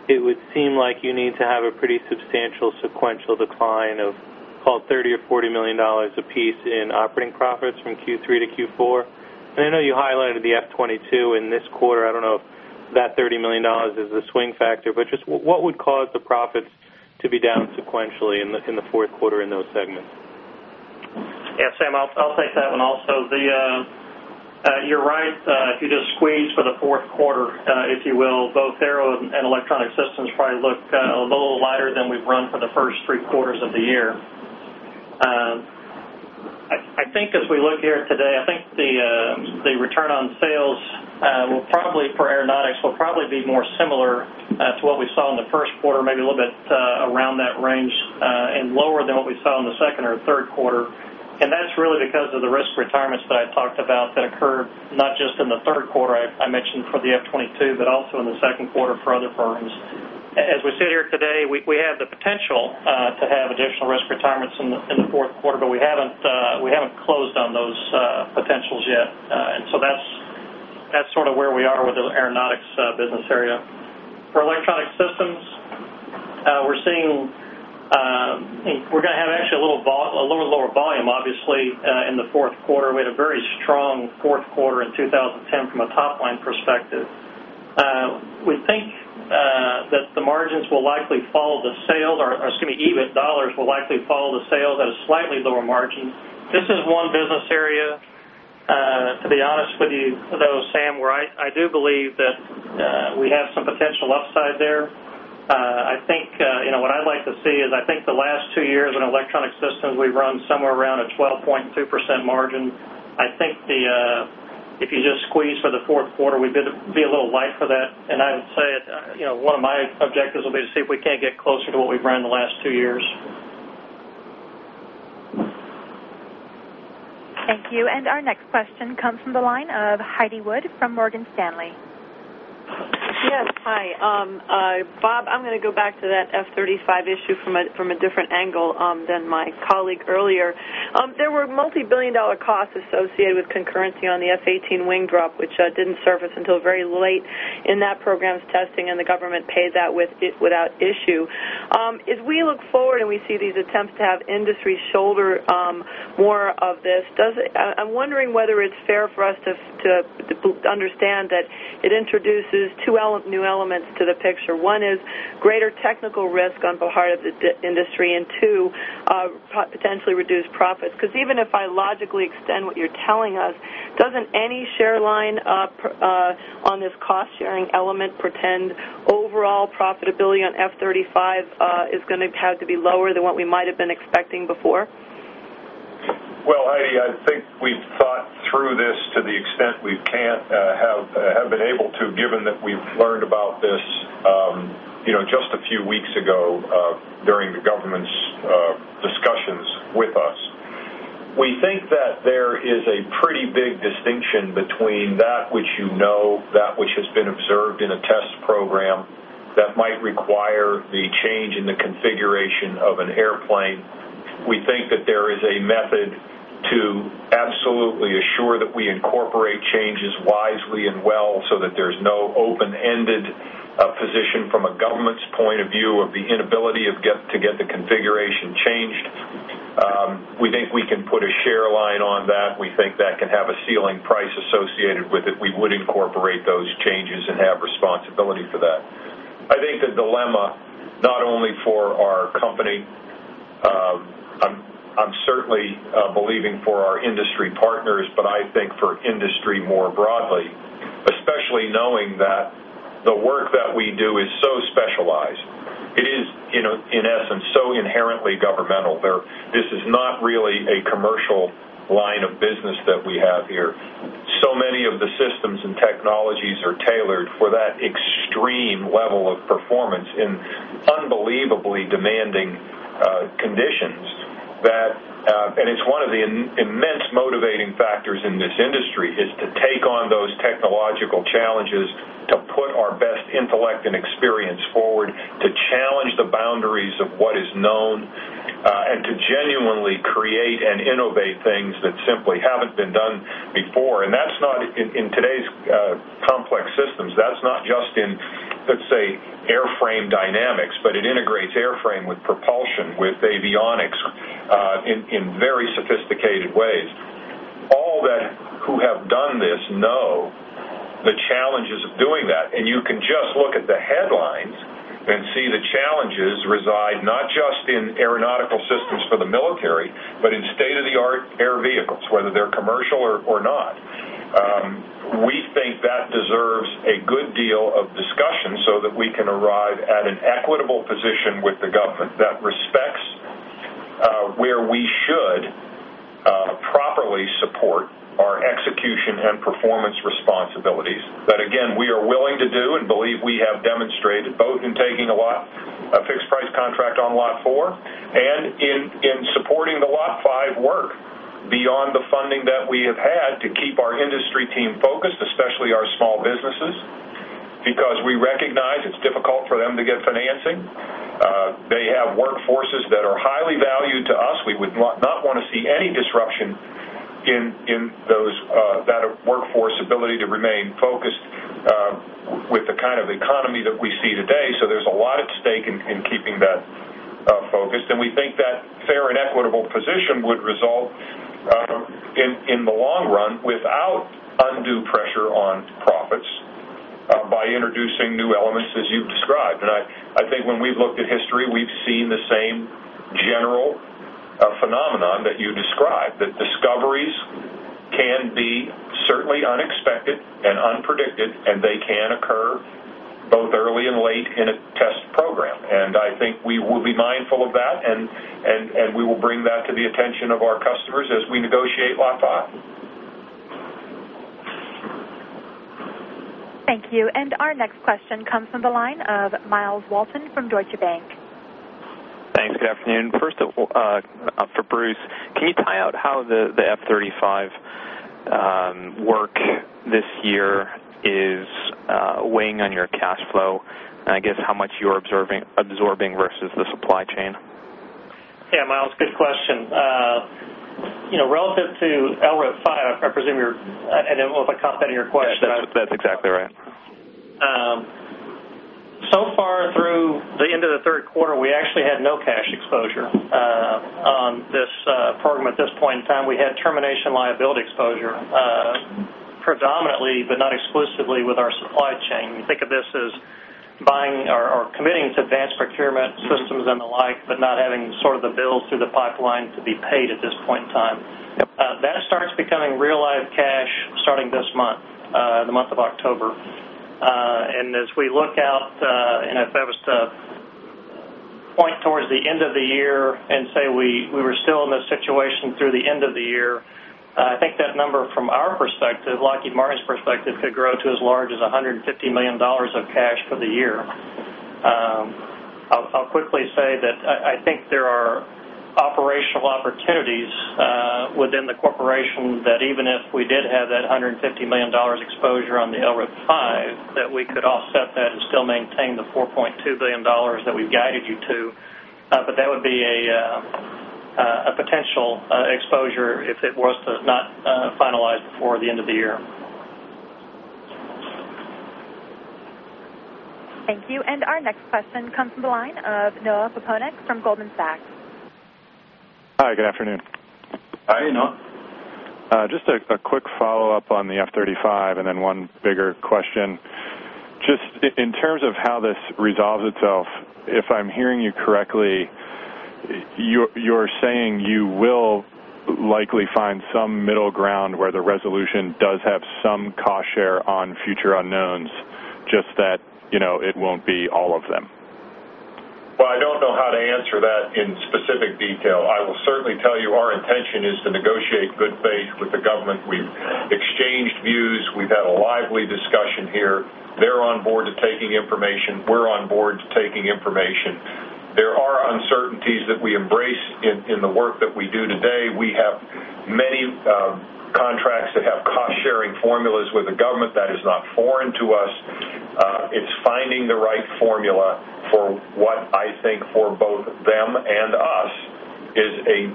it would seem like you need to have a pretty substantial sequential decline of, call it, $30 million or $40 million apiece in operating profits from Q3 to Q4. I know you highlighted the F-22 in this quarter. I don't know if that $30 million is a swing factor, but just what would cause the profits to be down sequentially in the fourth quarter in those segments? Yeah, Sam, I'll take that one also. You're right. If you just squeeze for the fourth quarter, if you will, both aero and electronic systems probably look a little lighter than we've run for the first three quarters of the year. I think as we look here today, I think the return on sales will probably for aeronautics will probably be more similar to what we saw in the first quarter, maybe a little bit around that range, and lower than what we saw in the second or third quarter. That's really because of the risk retirements that I talked about that occurred not just in the third quarter I mentioned for the F-22, but also in the second quarter for other firms. As we sit here today, we have the potential to have additional risk retirements in the fourth quarter, but we haven't closed on those potentials yet. That's sort of where we are with the aeronautics business area. For electronic systems, we're seeing we're going to have actually a little lower volume, obviously, in the fourth quarter. We had a very strong fourth quarter in 2010 from a top-line perspective. We think that the margins will likely follow the sales, or excuse me, EBIT dollars will likely follow the sales at a slightly lower margin. This is one business area, to be honest with you, though, Sam, where I do believe that we have some potential upside there. I think what I'd like to see is I think the last two years in electronic systems, we've run somewhere around a 12.2% margin. I think if you just squeeze for the fourth quarter, we'd be a little light for that. I would say one of my objectives will be to see if we can't get closer to what we've run in the last two years. Thank you. Our next question comes from the line of Heidi Wood from Morgan Stanley. Yes, hi. Bob, I'm going to go back to that F-35 issue from a different angle than my colleague earlier. There were multi-billion dollar costs associated with concurrency on the F-18 wing drop, which didn't surface until very late in that program's testing, and the government paid that without issue. As we look forward and we see these attempts to have industry shoulder more of this, I'm wondering whether it's fair for us to understand that it introduces two new elements to the picture. One is greater technical risk on behalf of the industry, and two, potentially reduced profits. Because even if I logically extend what you're telling us, doesn't any share line on this cost-sharing element pretend overall profitability on F-35 is going to have to be lower than what we might have been expecting before? Heidi, I think we've thought through this to the extent we can have been able to, given that we've learned about this just a few weeks ago during the government's discussions with us. We think that there is a pretty big distinction between that which you know, that which has been observed in a test program that might require the change in the configuration of an airplane. We think that there is a method to absolutely assure that we incorporate changes wisely and well so that there's no open-ended position from a government's point of view of the inability to get the configuration changed. We think we can put a share line on that. We think that can have a ceiling price associated with it. We would incorporate those changes and have responsibility for that. I think the dilemma not only for our company, I'm certainly believing for our industry partners, but I think for industry more broadly, especially knowing that the work that we do is so specialized. It is, in essence, so inherently governmental. This is not really a commercial line of business that we have here. So many of the systems and technologies are tailored for that extreme level of performance in unbelievably demanding conditions. It's one of the immense motivating factors in this industry to take on those technological challenges, to put our best intellect and experience forward, to challenge the boundaries of what is known, and to genuinely create and innovate things that simply haven't been done before. That's not in today's complex systems. That's not just in, let's say, airframe dynamics, but it integrates airframe with propulsion, with avionics in very sophisticated ways. All that who have done this know the challenges of doing that. You can just look at the headlines and see the challenges reside not just in aeronautical systems for the military, but in state-of-the-art air vehicles, whether they're commercial or not. We think that deserves a good deal of discussion so that we can arrive at an equitable position with the government that respects where we should properly support our execution and performance responsibilities that, again, we are willing to do and believe we have demonstrated both in taking a fixed price contract on Lot 4 and in supporting the Lot 5 work beyond the funding that we have had to keep our industry team focused, especially our small businesses, because we recognize it's difficult for them to get financing. They have workforces that are highly valued to us. We would not want to see any disruption in those workforces' ability to remain focused with the kind of economy that we see today. There is a lot at stake in keeping that focus. We think that a fair and equitable position would result in the long run without undue pressure on profits by introducing new elements, as you've described. When we've looked at history, we've seen the same general phenomenon that you described, that discoveries can be certainly unexpected and unpredicted, and they can occur both early and late in a test program. We will be mindful of that, and we will bring that to the attention of our customers as we negotiate Lot 5. Thank you. Our next question comes from the line of Myles Walton from Deutsche Bank. Thanks. Good afternoon. First, for Bruce, can you tie out how the F-35 work this year is weighing on your cash flow, and I guess how much you're absorbing versus the supply chain? Yeah, Myles, good question. Relative to LRIP-5, I presume you're I didn't want to copy your question. That's exactly right. Through the end of the third quarter, we actually had no cash exposure on this program at this point in time. We had termination liability exposure predominantly, but not exclusively with our supply chain. You think of this as buying or committing to advanced procurement systems and the like, but not having the bills through the pipeline to be paid at this point in time. That starts becoming real live cash starting this month, the month of October. As we look out, and if I was to point towards the end of the year and say we were still in this situation through the end of the year, I think that number from our perspective, Lockheed Martin's perspective, could grow to as large as $150 million of cash for the year. I'll quickly say that I think there are operational opportunities within the corporation that even if we did have that $150 million exposure on the LRIP-5, we could offset that and still maintain the $4.2 billion that we've guided you to. That would be a potential exposure if it was to not finalize before the end of the year. Thank you. Our next question comes from the line of Noah Poponak from Goldman Sachs. Hi, good afternoon. Hi, Noah. Just a quick follow-up on the F-35 and then one bigger question. In terms of how this resolves itself, if I'm hearing you correctly, you're saying you will likely find some middle ground where the resolution does have some cost share on future unknowns, just that it won't be all of them. I don't know how to answer that in specific detail. I will certainly tell you our intention is to negotiate in good faith with the government. We've exchanged views. We've had a lively discussion here. They're on board to taking information. We're on board to taking information. There are uncertainties that we embrace in the work that we do today. We have many contracts that have cost-sharing formulas with the government that is not foreign to us. It's finding the right formula for what I think for both them and us is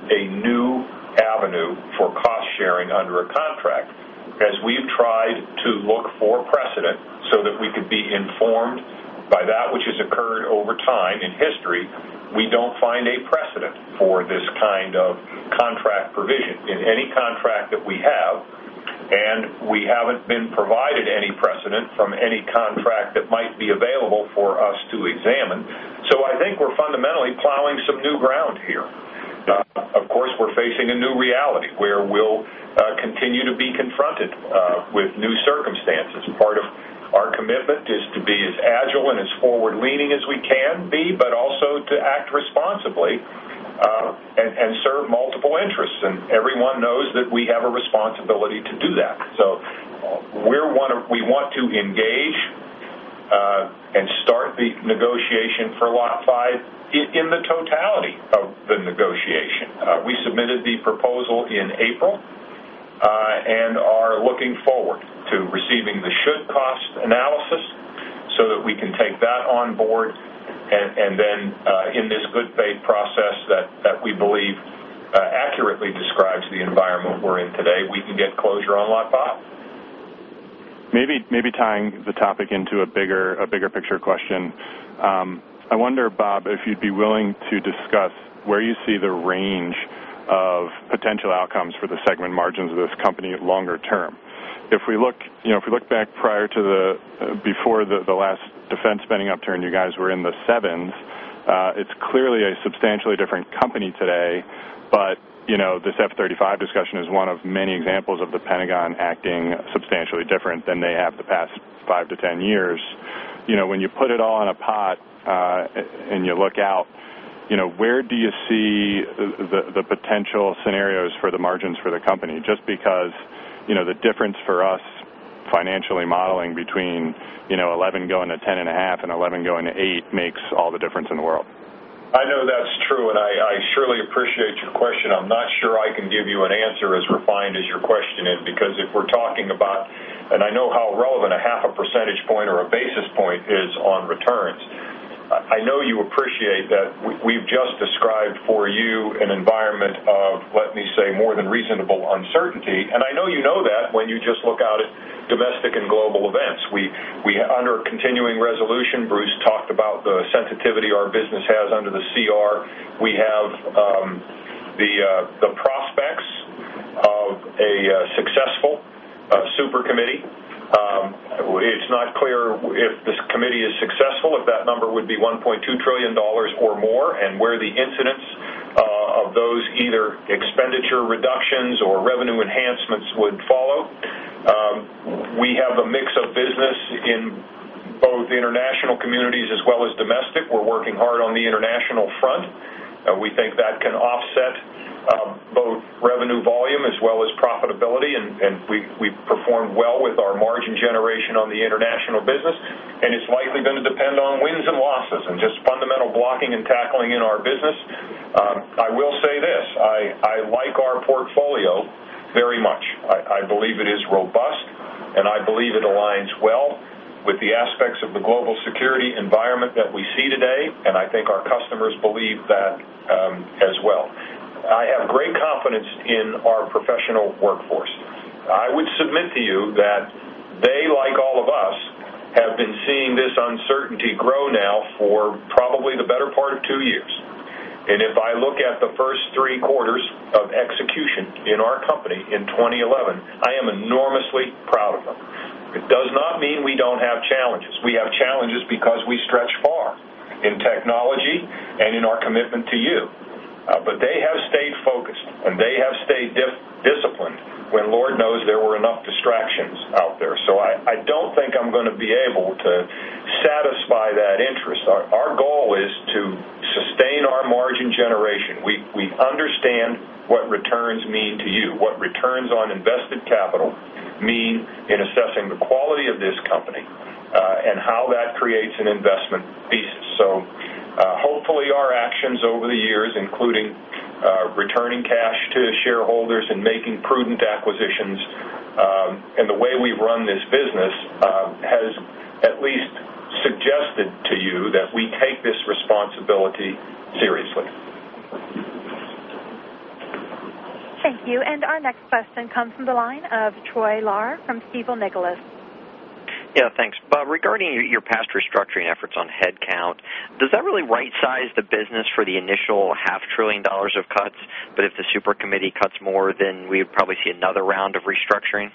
a new avenue for cost sharing under a contract. As we've tried to look for precedent so that we could be informed by that which has occurred over time in history, we don't find a precedent for this kind of contract provision in any contract that we have. We haven't been provided any precedent from any contract that might be available for us to examine. I think we're fundamentally plowing some new ground here. Of course, we're facing a new reality where we'll continue to be confronted with new circumstances. Part of our commitment is to be as agile and as forward-leaning as we can be, but also to act responsibly and serve multiple interests. Everyone knows that we have a responsibility to do that. We want to engage and start the negotiation for Lot 5 in the totality of the negotiation. We submitted the proposal in April and are looking forward to receiving the should-cost analysis so that we can take that on board. In this good faith process that we believe accurately describes the environment we're in today, we can get closure on Lot 5. Maybe tying the topic into a bigger picture question, I wonder, Bob, if you'd be willing to discuss where you see the range of potential outcomes for the segment margins of this company longer term. If we look back prior to the before the last defense spending upturn, you guys were in the 7s. It's clearly a substantially different company today. This F-35 discussion is one of many examples of the Pentagon acting substantially different than they have the past 5 to 10 years. When you put it all in a pot and you look out, where do you see the potential scenarios for the margins for the company, just because the difference for us financially modeling between 11 going to 10.5 and 11 going to 8 makes all the difference in the world? I know that's true, and I surely appreciate your question. I'm not sure I can give you an answer as refined as your question is, because if we're talking about, and I know how relevant 0.5 percentage point or a basis point is on returns, I know you appreciate that we've just described for you an environment of, let me say, more than reasonable uncertainty. I know you know that when you just look out at domestic and global events. Under continuing resolution, Bruce talked about the sensitivity our business has under the CR. We have the prospects of a successful supercommittee. It's not clear if this committee is successful, if that number would be $1.2 trillion or more, and where the incidents of those either expenditure reductions or revenue enhancements would follow. We have a mix of business in both international communities as well as domestic. We're working hard on the international front. We think that can offset both revenue volume as well as profitability. We perform well with our margin generation on the international business. It's likely going to depend on wins and losses and just fundamental blocking and tackling in our business. I will say this. I like our portfolio very much. I believe it is robust, and I believe it aligns well with the aspects of the global security environment that we see today. I think our customers believe that as well. I have great confidence in our professional workforce. I would submit to you that they, like all of us, have been seeing this uncertainty grow now for probably the better part of two years. If I look at the first three quarters of execution in our company in 2011, I am enormously proud of them. It does not mean we don't have challenges. We have challenges because we stretch far in technology and in our commitment to you. They have stayed focused, and they have stayed disciplined when Lord knows there were enough distractions out there. I don't think I'm going to be able to satisfy that interest. Our goal is to sustain our margin generation. We understand what returns mean to you, what returns on invested capital mean in assessing the quality of this company and how that creates an investment thesis. Hopefully, our actions over the years, including returning cash to shareholders and making prudent acquisitions and the way we've run this business, have at least suggested to you that we take this responsibility seriously. Thank you. Our next question comes from the line of Troy Lahr from Stifel Nicolaus. Yeah, thanks. Bob, regarding your past restructuring efforts on headcount, does that really right-size the business for the initial half trillion dollars of cuts? If the supercommittee cuts more, we would probably see another round of restructuring?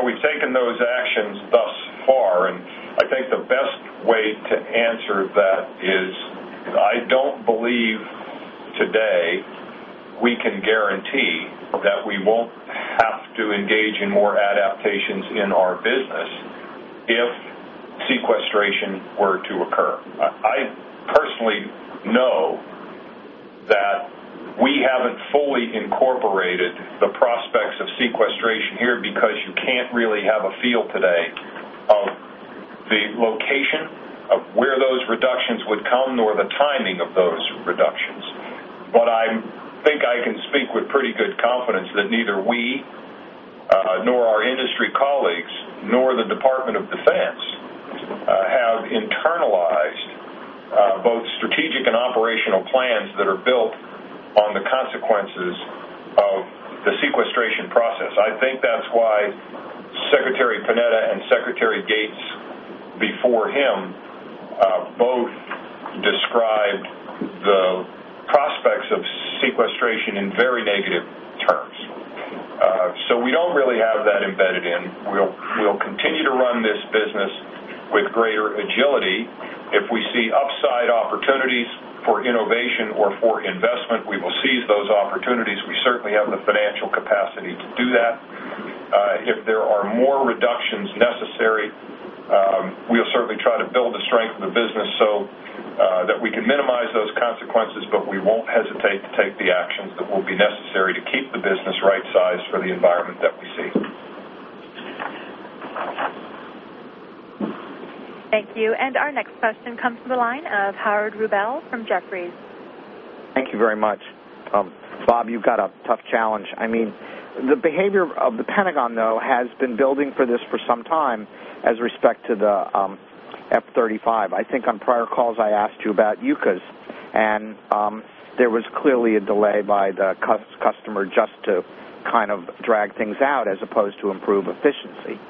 We have taken those actions thus far. I think the best way to answer that is I don't believe today we can guarantee that we won't have to engage in more adaptations in our business if sequestration were to occur. I personally know that we haven't fully incorporated the prospects of sequestration here because you can't really have a feel today of the location of where those reductions would come, nor the timing of those reductions. I think I can speak with pretty good confidence that neither we nor our industry colleagues nor the Department of Defense have internalized both strategic and operational plans that are built on the consequences of the sequestration process. That is why Secretary Panetta and Secretary Gates, before him, both described the prospects of sequestration in very negative terms. We don't really have that embedded in. We'll continue to run this business with greater agility. If we see upside opportunities for innovation or for investment, we will seize those opportunities. We certainly have the financial capacity to do that. If there are more reductions necessary, we'll certainly try to build the strength of the business so that we can minimize those consequences, but we won't hesitate to take the actions that will be necessary to keep the business right-sized for the environment that we see. Thank you. Our next question comes from the line of Howard Rubell from Jefferies. Thank you very much. Bob, you've got a tough challenge. I mean, the behavior of the Pentagon, though, has been building for this for some time as respect to the F-35. I think on prior calls, I asked you about Yukas, and there was clearly a delay by the customer just to kind of drag things out as opposed to improve efficiency.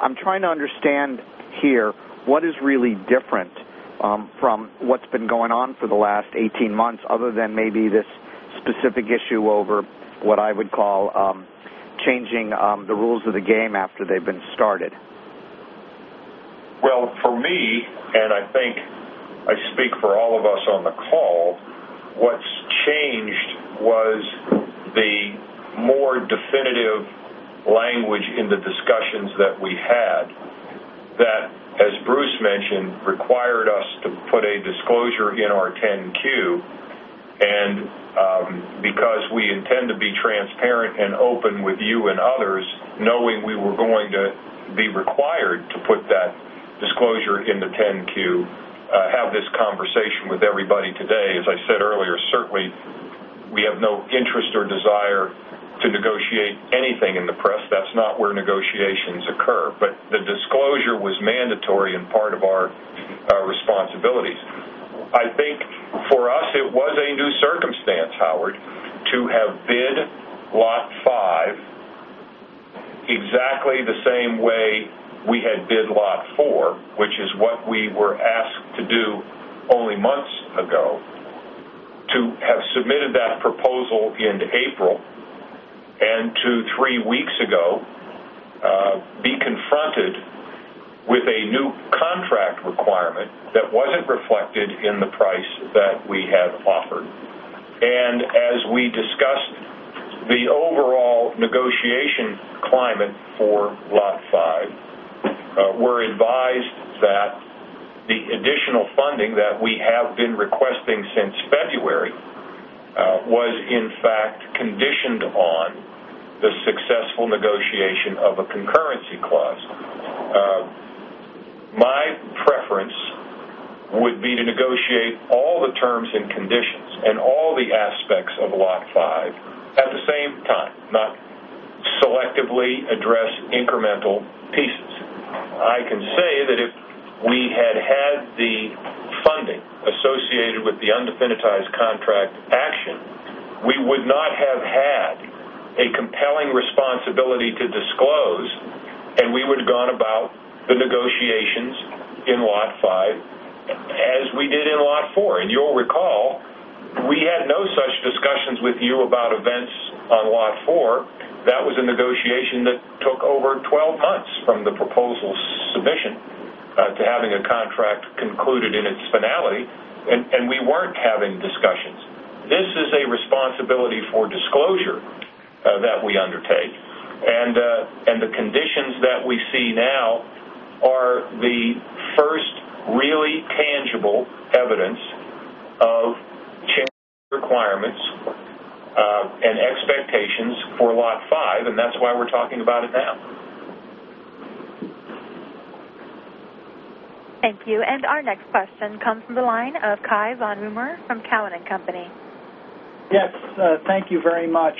I'm trying to understand here what is really different from what's been going on for the last 18 months other than maybe this specific issue over what I would call changing the rules of the game after they've been started. For me, and I think I speak for all of us on the call, what's changed was the more definitive language in the discussions that we had that, as Bruce mentioned, required us to put a disclosure in our 10-Q. Because we intend to be transparent and open with you and others, knowing we were going to be required to put that disclosure in the 10-Q, we have this conversation with everybody today. As I said earlier, certainly we have no interest or desire to negotiate anything in the press. That's not where negotiations occur. The disclosure was mandatory and part of our responsibilities. I think for us, it was a new circumstance, Howard, to have bid Lot 5 exactly the same way we had bid Lot 4, which is what we were asked to do only months ago, to have submitted that proposal in April and two to three weeks ago confronted with a new contract requirement that wasn't reflected in the price that we had offered, as we discussed the overall negotiation climate for Lot 5, we were advised that the additional funding that we have been requesting since February was, in fact, conditioned on the successful negotiation of a concurrency clause. My preference would be to negotiate all the terms and conditions and all the aspects of Lot 5 at the same time, not selectively address incremental pieces. I can say that if we had had the funding associated with the undefinitized contract action, we would not have had a compelling responsibility to disclose, and we would have gone about the negotiations in Lot 5 as we did in Lot 4. You'll recall, we had no such discussions with you about events on Lot 4. That was a negotiation that took over 12 months from the proposal submission to having a contract concluded in its finality, and we weren't having discussions. This is a responsibility for disclosure that we undertake. The conditions that we see now are the first really tangible evidence of change requirements and expectations for Lot 5, and that's why we're talking about it now. Thank you. Our next question comes from the line of Cai von Rumohr from Cowen and Company. Yes, thank you very much.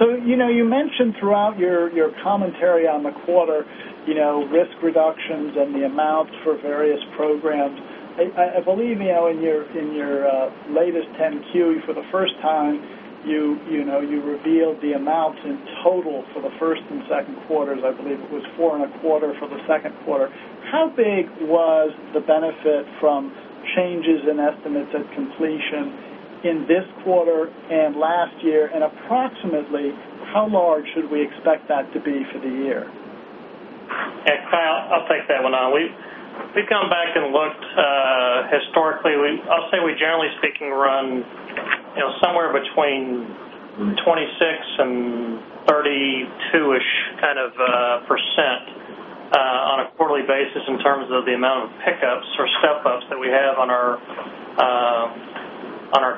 You mentioned throughout your commentary on the quarter risk reductions and the amounts for various programs. I believe in your latest 10-Q, for the first time, you revealed the amounts in total for the first and second quarters. I believe it was 4.25% for the second quarter. How big was the benefit from changes in estimates at completion in this quarter and last year? Approximately how large should we expect that to be for the year? Yeah, Kai, I'll take that one. We've gone back and looked historically. I'll say we, generally speaking, run, you know, somewhere between 26% and 32%-ish kind of percent on a quarterly basis in terms of the amount of pickups or step-ups that we have on our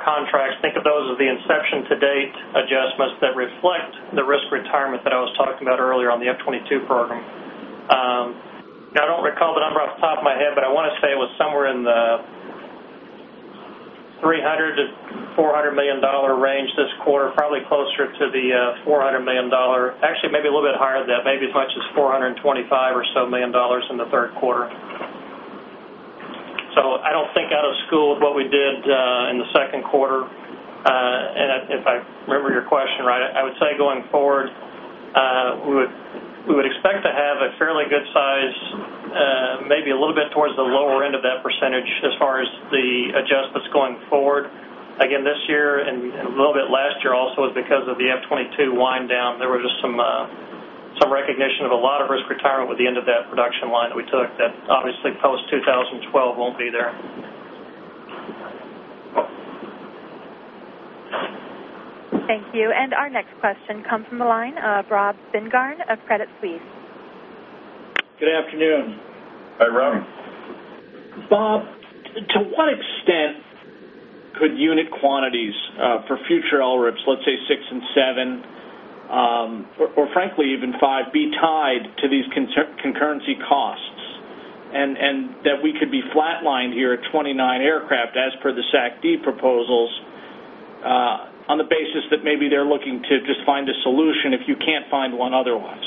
contracts. Think of those as the inception-to-date adjustments that reflect the risk retirement that I was talking about earlier on the F-22 program. I don't recall the number off the top of my head, but I want to say it was somewhere in the $300 million-$400 million range this quarter, probably closer to the $400 million. Actually, maybe a little bit higher than that, maybe as much as $425 million or so in the third quarter. I don't think out of school with what we did in the second quarter. If I remember your question right, I would say going forward, we would expect to have a fairly good size, maybe a little bit towards the lower end of that percentage as far as the adjustments going forward. Again, this year and a little bit last year also was because of the F-22 wind-down. There was just some recognition of a lot of risk retirement with the end of that production line that we took that obviously post-2012 won't be there. Thank you. Our next question comes from the line of Rob Spingarn of Credit Suisse. Good afternoon. Hi, Rob. Bob, to what extent could unit quantities for future LRIPs, let's say 6 and 7, or frankly even 5, be tied to these concurrency costs? Could we be flatlined here at 29 aircraft as per the SAC-D proposals on the basis that maybe they're looking to just find a solution if you can't find one otherwise?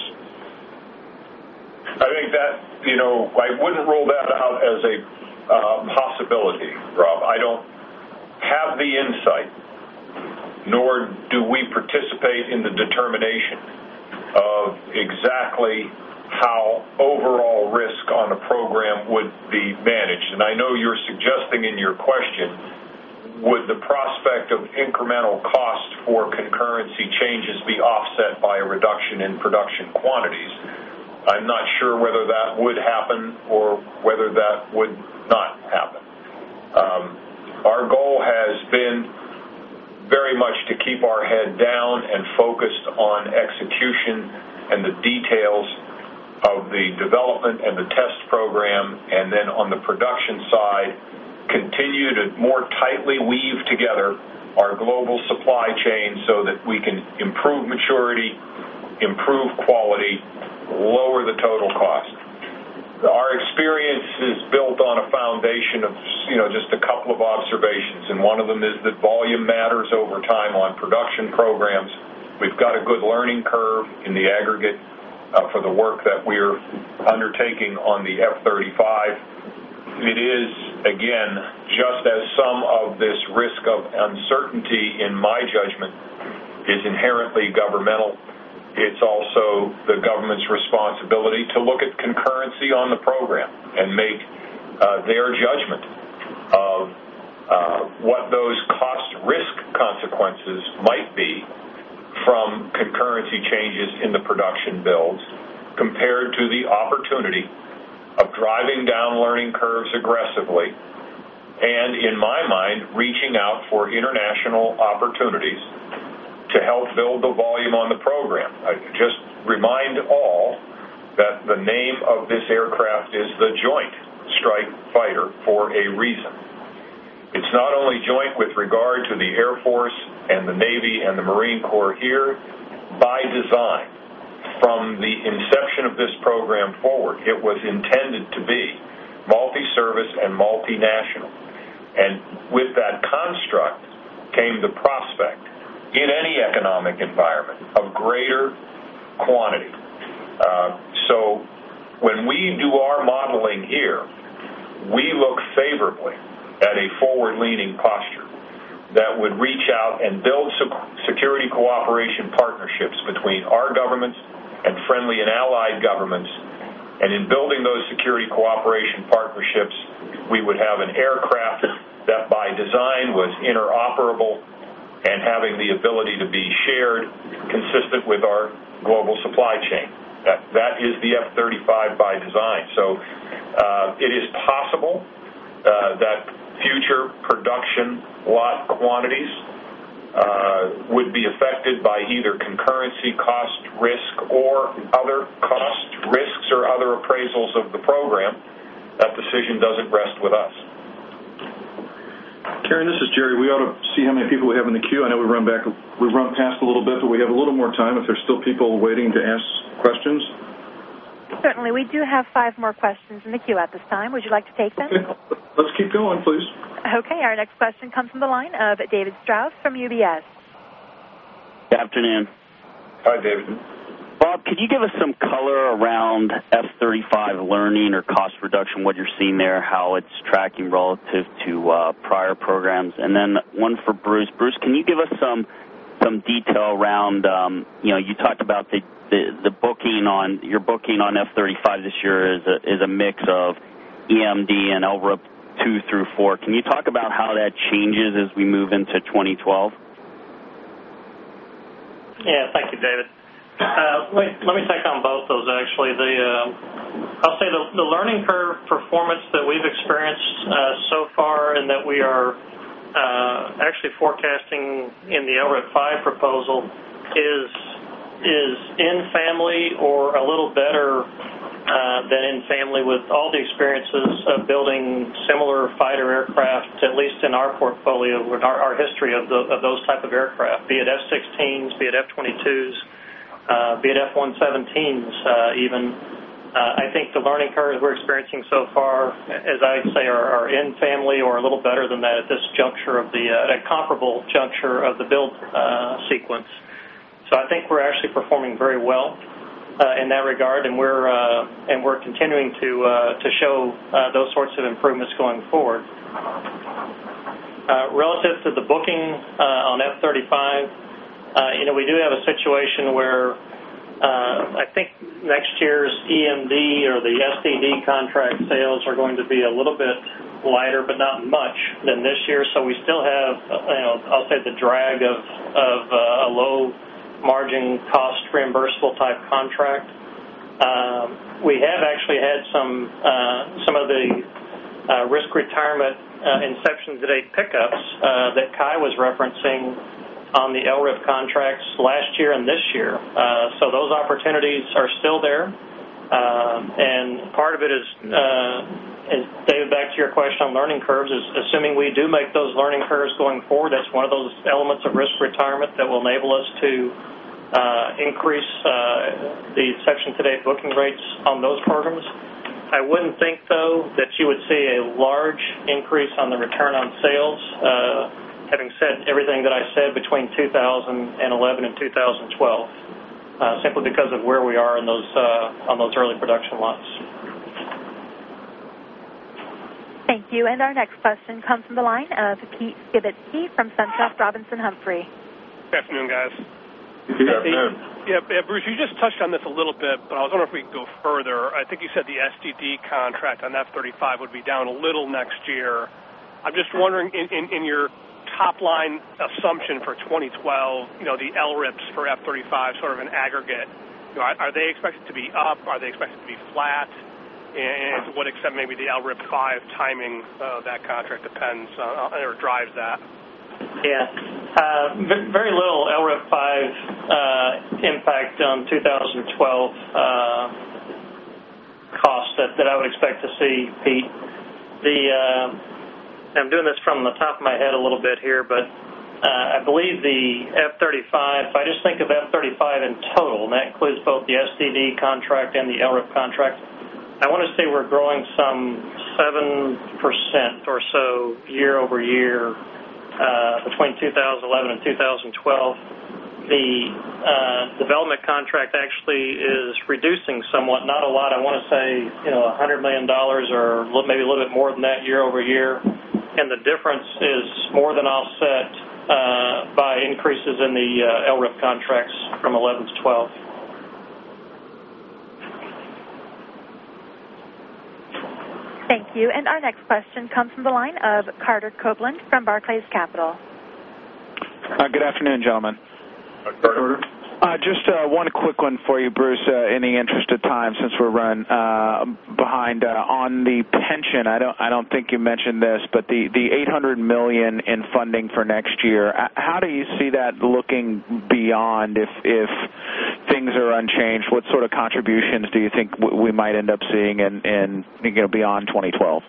I think that, you know, I wouldn't rule that out as a possibility, Rob. I don't have the insight, nor do we participate in the determination of exactly how overall risk on a program would be managed. I know you're suggesting in your question, would the prospect of incremental cost for concurrency changes be offset by a reduction in production quantities? I'm not sure whether that would happen or whether that would not happen. Our goal has been very much to keep our head down and focused on execution and the details of the development and the test program, and then on the production side, continue to more tightly weave together our global supply chain so that we can improve maturity, improve quality, lower the total cost. Our experience is built on a foundation of just a couple of observations, and one of them is that volume matters over time on production programs. We've got a good learning curve in the aggregate for the work that we're undertaking on the F-35. It is, again, just as some of this risk of uncertainty, in my judgment, is inherently governmental. It's also the government's responsibility to look at concurrency on the program and make their judgment of what those cost-risk consequences might be from concurrency changes in the production builds compared to the opportunity of driving down learning curves aggressively and, in my mind, reaching out for international opportunities to help build the volume on the program. I just remind all that the name of this aircraft is the Joint Strike Fighter for a reason. It's not only joint with regard to the Air Force and the Navy and the Marine Corps here, by design. From the inception of this program forward, it was intended to be multi-service and multinational. With that construct came the prospect, in any economic environment, of greater quantity. When we do our modeling here, we look favorably at a forward-leaning posture that would reach out and build security cooperation partnerships between our governments and friendly and allied governments. In building those security cooperation partnerships, we would have an aircraft that by design was interoperable and having the ability to be shared consistent with our global supply chain. That is the F-35 by design. It is possible that future production lot quantities would be affected by either concurrency cost risk or other cost risks or other appraisals of the program. That decision doesn't rest with us. Cai, this is Jerry. We ought to see how many people we have in the queue. I know we've run past a little bit, but we have a little more time if there's still people waiting to ask questions. Certainly. We do have five more questions in the queue at this time. Would you like to take them? Let's keep going, please. Okay. Our next question comes from the line of David Strauss from UBS. Good afternoon. Hi, David. Bob, could you give us some color around F-35 learning or cost reduction, what you're seeing there, how it's tracking relative to prior programs? One for Bruce. Bruce, can you give us some detail around, you know, you talked about the booking on F-35 this year is a mix of EMD and LRIP-2 through 4. Can you talk about how that changes as we move into 2012? Thank you, David. Let me think on both those, actually. I'll say the learning curve performance that we've experienced so far and that we are actually forecasting in the LRIP-5 proposal is in family or a little better than in family with all the experiences of building similar fighter aircraft, at least in our portfolio with our history of those types of aircraft, be it F-16s, be it F-22s, be it F-117s even. I think the learning curve we're experiencing so far, as I'd say, are in family or a little better than that at this juncture of the comparable juncture of the build sequence. I think we're actually performing very well in that regard, and we're continuing to show those sorts of improvements going forward. Relative to the booking on F-35, we do have a situation where I think next year's EMD or the FTD contract sales are going to be a little bit lighter, but not much than this year. We still have the drag of a low margin cost reimbursable type contract. We have actually had some of the risk retirement inception-to-date pickups that Kai was referencing on the LRIP contracts last year and this year. Those opportunities are still there. Part of it is, David, back to your question on learning curves, is assuming we do make those learning curves going forward, that's one of those elements of risk retirement that will enable us to increase the inception-to-date booking rates on those programs. I wouldn't think, though, that you would see a large increase on the return on sales, having said everything that I said between 2011 and 2012, simply because of where we are on those early production lots. Thank you. Our next question comes from the line of Pete Skibitski from Suntrust Robinson Humphrey. Good afternoon, guys. Good afternoon. Yeah, Bruce, you just touched on this a little bit, but I was wondering if we could go further. I think you said the STD contract on F-35 would be down a little next year. I'm just wondering, in your top-line assumption for 2012, you know, the LRIPs for F-35, sort of an aggregate, are they expected to be up? Are they expected to be flat? To what extent maybe the LRIP 5 timing of that contract depends or drives that? Yeah, very little LRIP 5 impact on 2012 cost that I would expect to see, Pete. I'm doing this from the top of my head a little bit here, but I believe the F-35, if I just think of F-35 in total, and that includes both the STD contract and the LRIP contracts, I want to say we're growing some 7% or so year-over-year between 2011 and 2012. The development contract actually is reducing somewhat, not a lot, I want to say, you know, $100 million or maybe a little bit more than that year-over-year. The difference is more than offset by increases in the LRIP contracts from 2011 to 2012. Thank you. Our next question comes from the line of Carter Copeland from Barclays Capital. Good afternoon, gentlemen. Hi, Carter. Just one quick one for you, Bruce, any interest in timing since we're running behind on the pension. I don't think you mentioned this, but the $800 million in funding for next year, how do you see that looking beyond if things are unchanged? What sort of contributions do you think we might end up seeing in, you know, beyond 2012?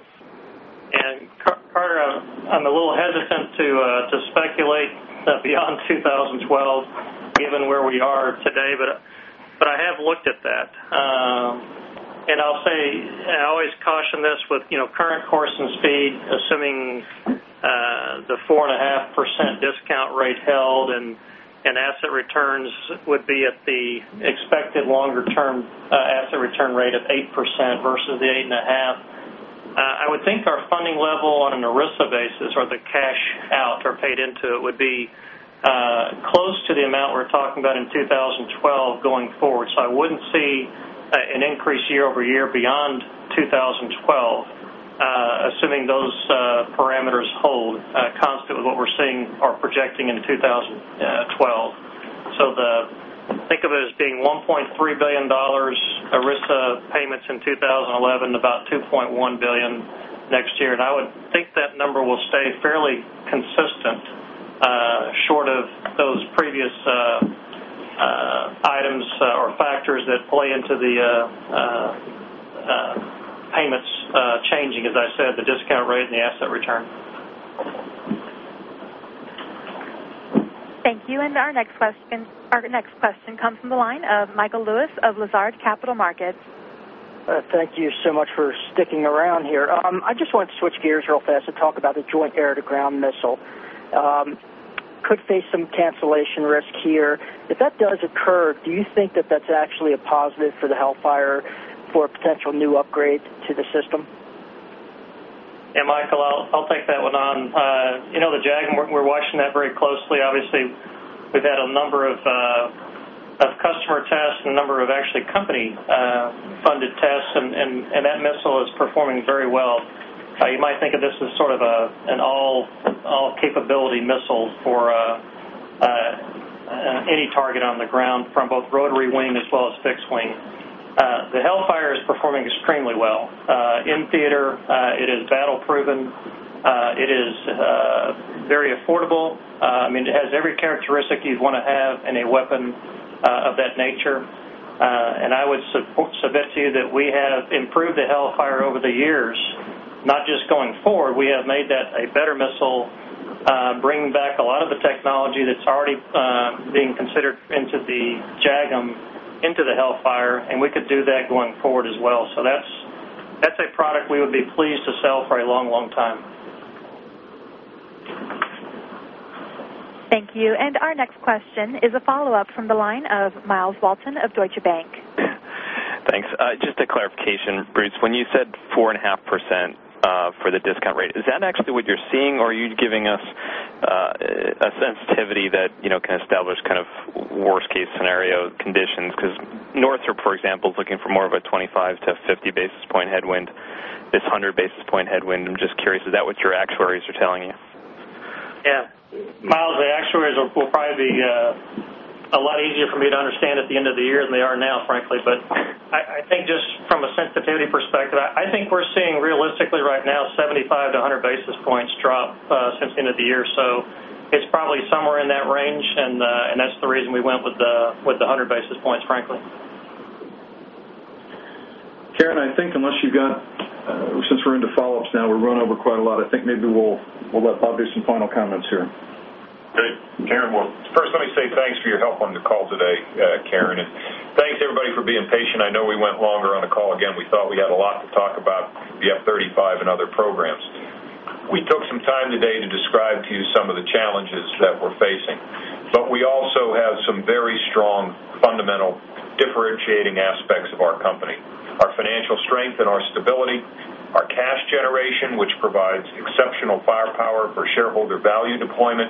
Carter, I'm a little hesitant to speculate beyond 2012 given where we are today, but I have looked at that. I always caution this with, you know, current course and speed, assuming the 4.5% discount rate held and asset returns would be at the expected longer-term asset return rate of 8% versus the 8.5%. I would think our funding level on an ERISA basis or the cash out or paid into it would be close to the amount we're talking about in 2012 going forward. I wouldn't see an increase year over year beyond 2012, assuming those parameters hold constant with what we're seeing or projecting into 2012. Think of it as being $1.3 billion ERISA payments in 2011, about $2.1 billion next year. I would think that number will stay fairly consistent short of those previous items or factors that play into the payments changing, as I said, the discount rate and the asset return. Thank you. Our next question comes from the line of Michael Lewis of Lazard Capital Markets. Thank you so much for sticking around here. I just wanted to switch gears real fast and talk about the Joint Air-to-Ground Missile. Could face some cancellation risk here. If that does occur, do you think that that's actually a positive for the Hellfire for a potential new upgrade to the system? Yeah, Michael, I'll take that one on. You know, the JAGM, we're watching that very closely. Obviously, we've had a number of customer tests and a number of actually company-funded tests, and that missile is performing very well. You might think of this as sort of an all-capability missile for any target on the ground from both rotary wing as well as fixed wing. The Hellfire is performing extremely well. In theater, it is battle-proven. It is very affordable. I mean, it has every characteristic you'd want to have in a weapon of that nature. I would submit to you that we have improved the Hellfire over the years, not just going forward. We have made that a better missile, bringing back a lot of the technology that's already being considered into the JAGM, into the Hellfire, and we could do that going forward as well. That's a product we would be pleased to sell for a long, long time. Thank you. Our next question is a follow-up from the line of Myles Walton of Deutsche Bank. Thanks. Just a clarification, Bruce, when you said 4.5% for the discount rate, is that actually what you're seeing or are you giving us a sensitivity that can establish kind of worst-case scenario conditions? Because Northrop, for example, is looking for more of a 25 basis points-50 basis point headwind, this 100 basis point headwind. I'm just curious, is that what your actuaries are telling you? Yeah, Myles, the actuaries will probably be a lot easier for me to understand at the end of the year than they are now, frankly. I think just from a sensitivity perspective, I think we're seeing realistically right now 75 basis points-100 basis points drop since the end of the year. It's probably somewhere in that range, and that's the reason we went with the 100 basis points, frankly. Karen, I think unless you've got, since we're into follow-ups now, we're running over quite a lot, I think maybe we'll let Bob do some final comments here. Okay, Karen first let me say thanks for your help on the call today, Karen, Thanks everybody for being patient. I know we went longer on the call. Again, we thought we had a lot to talk about the F-35 and other programs. We took some time today to describe to you some of the challenges that we're facing. We also have some very strong fundamental differentiating aspects of our company: our financial strength and our stability, our cash generation, which provides exceptional firepower for shareholder value deployment,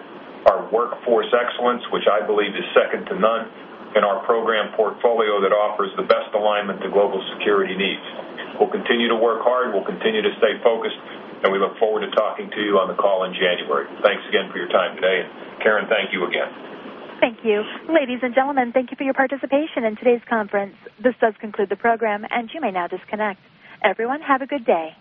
our workforce excellence, which I believe is second to none, and our program portfolio that offers the best alignment to global security needs. We'll continue to work hard, we'll continue to stay focused, and we look forward to talking to you on the call in January. Thanks again for your time today. Taryn, thank you again. Thank you. Ladies and gentlemen, thank you for your participation in today's conference. This does conclude the program, and you may now disconnect. Everyone, have a good day.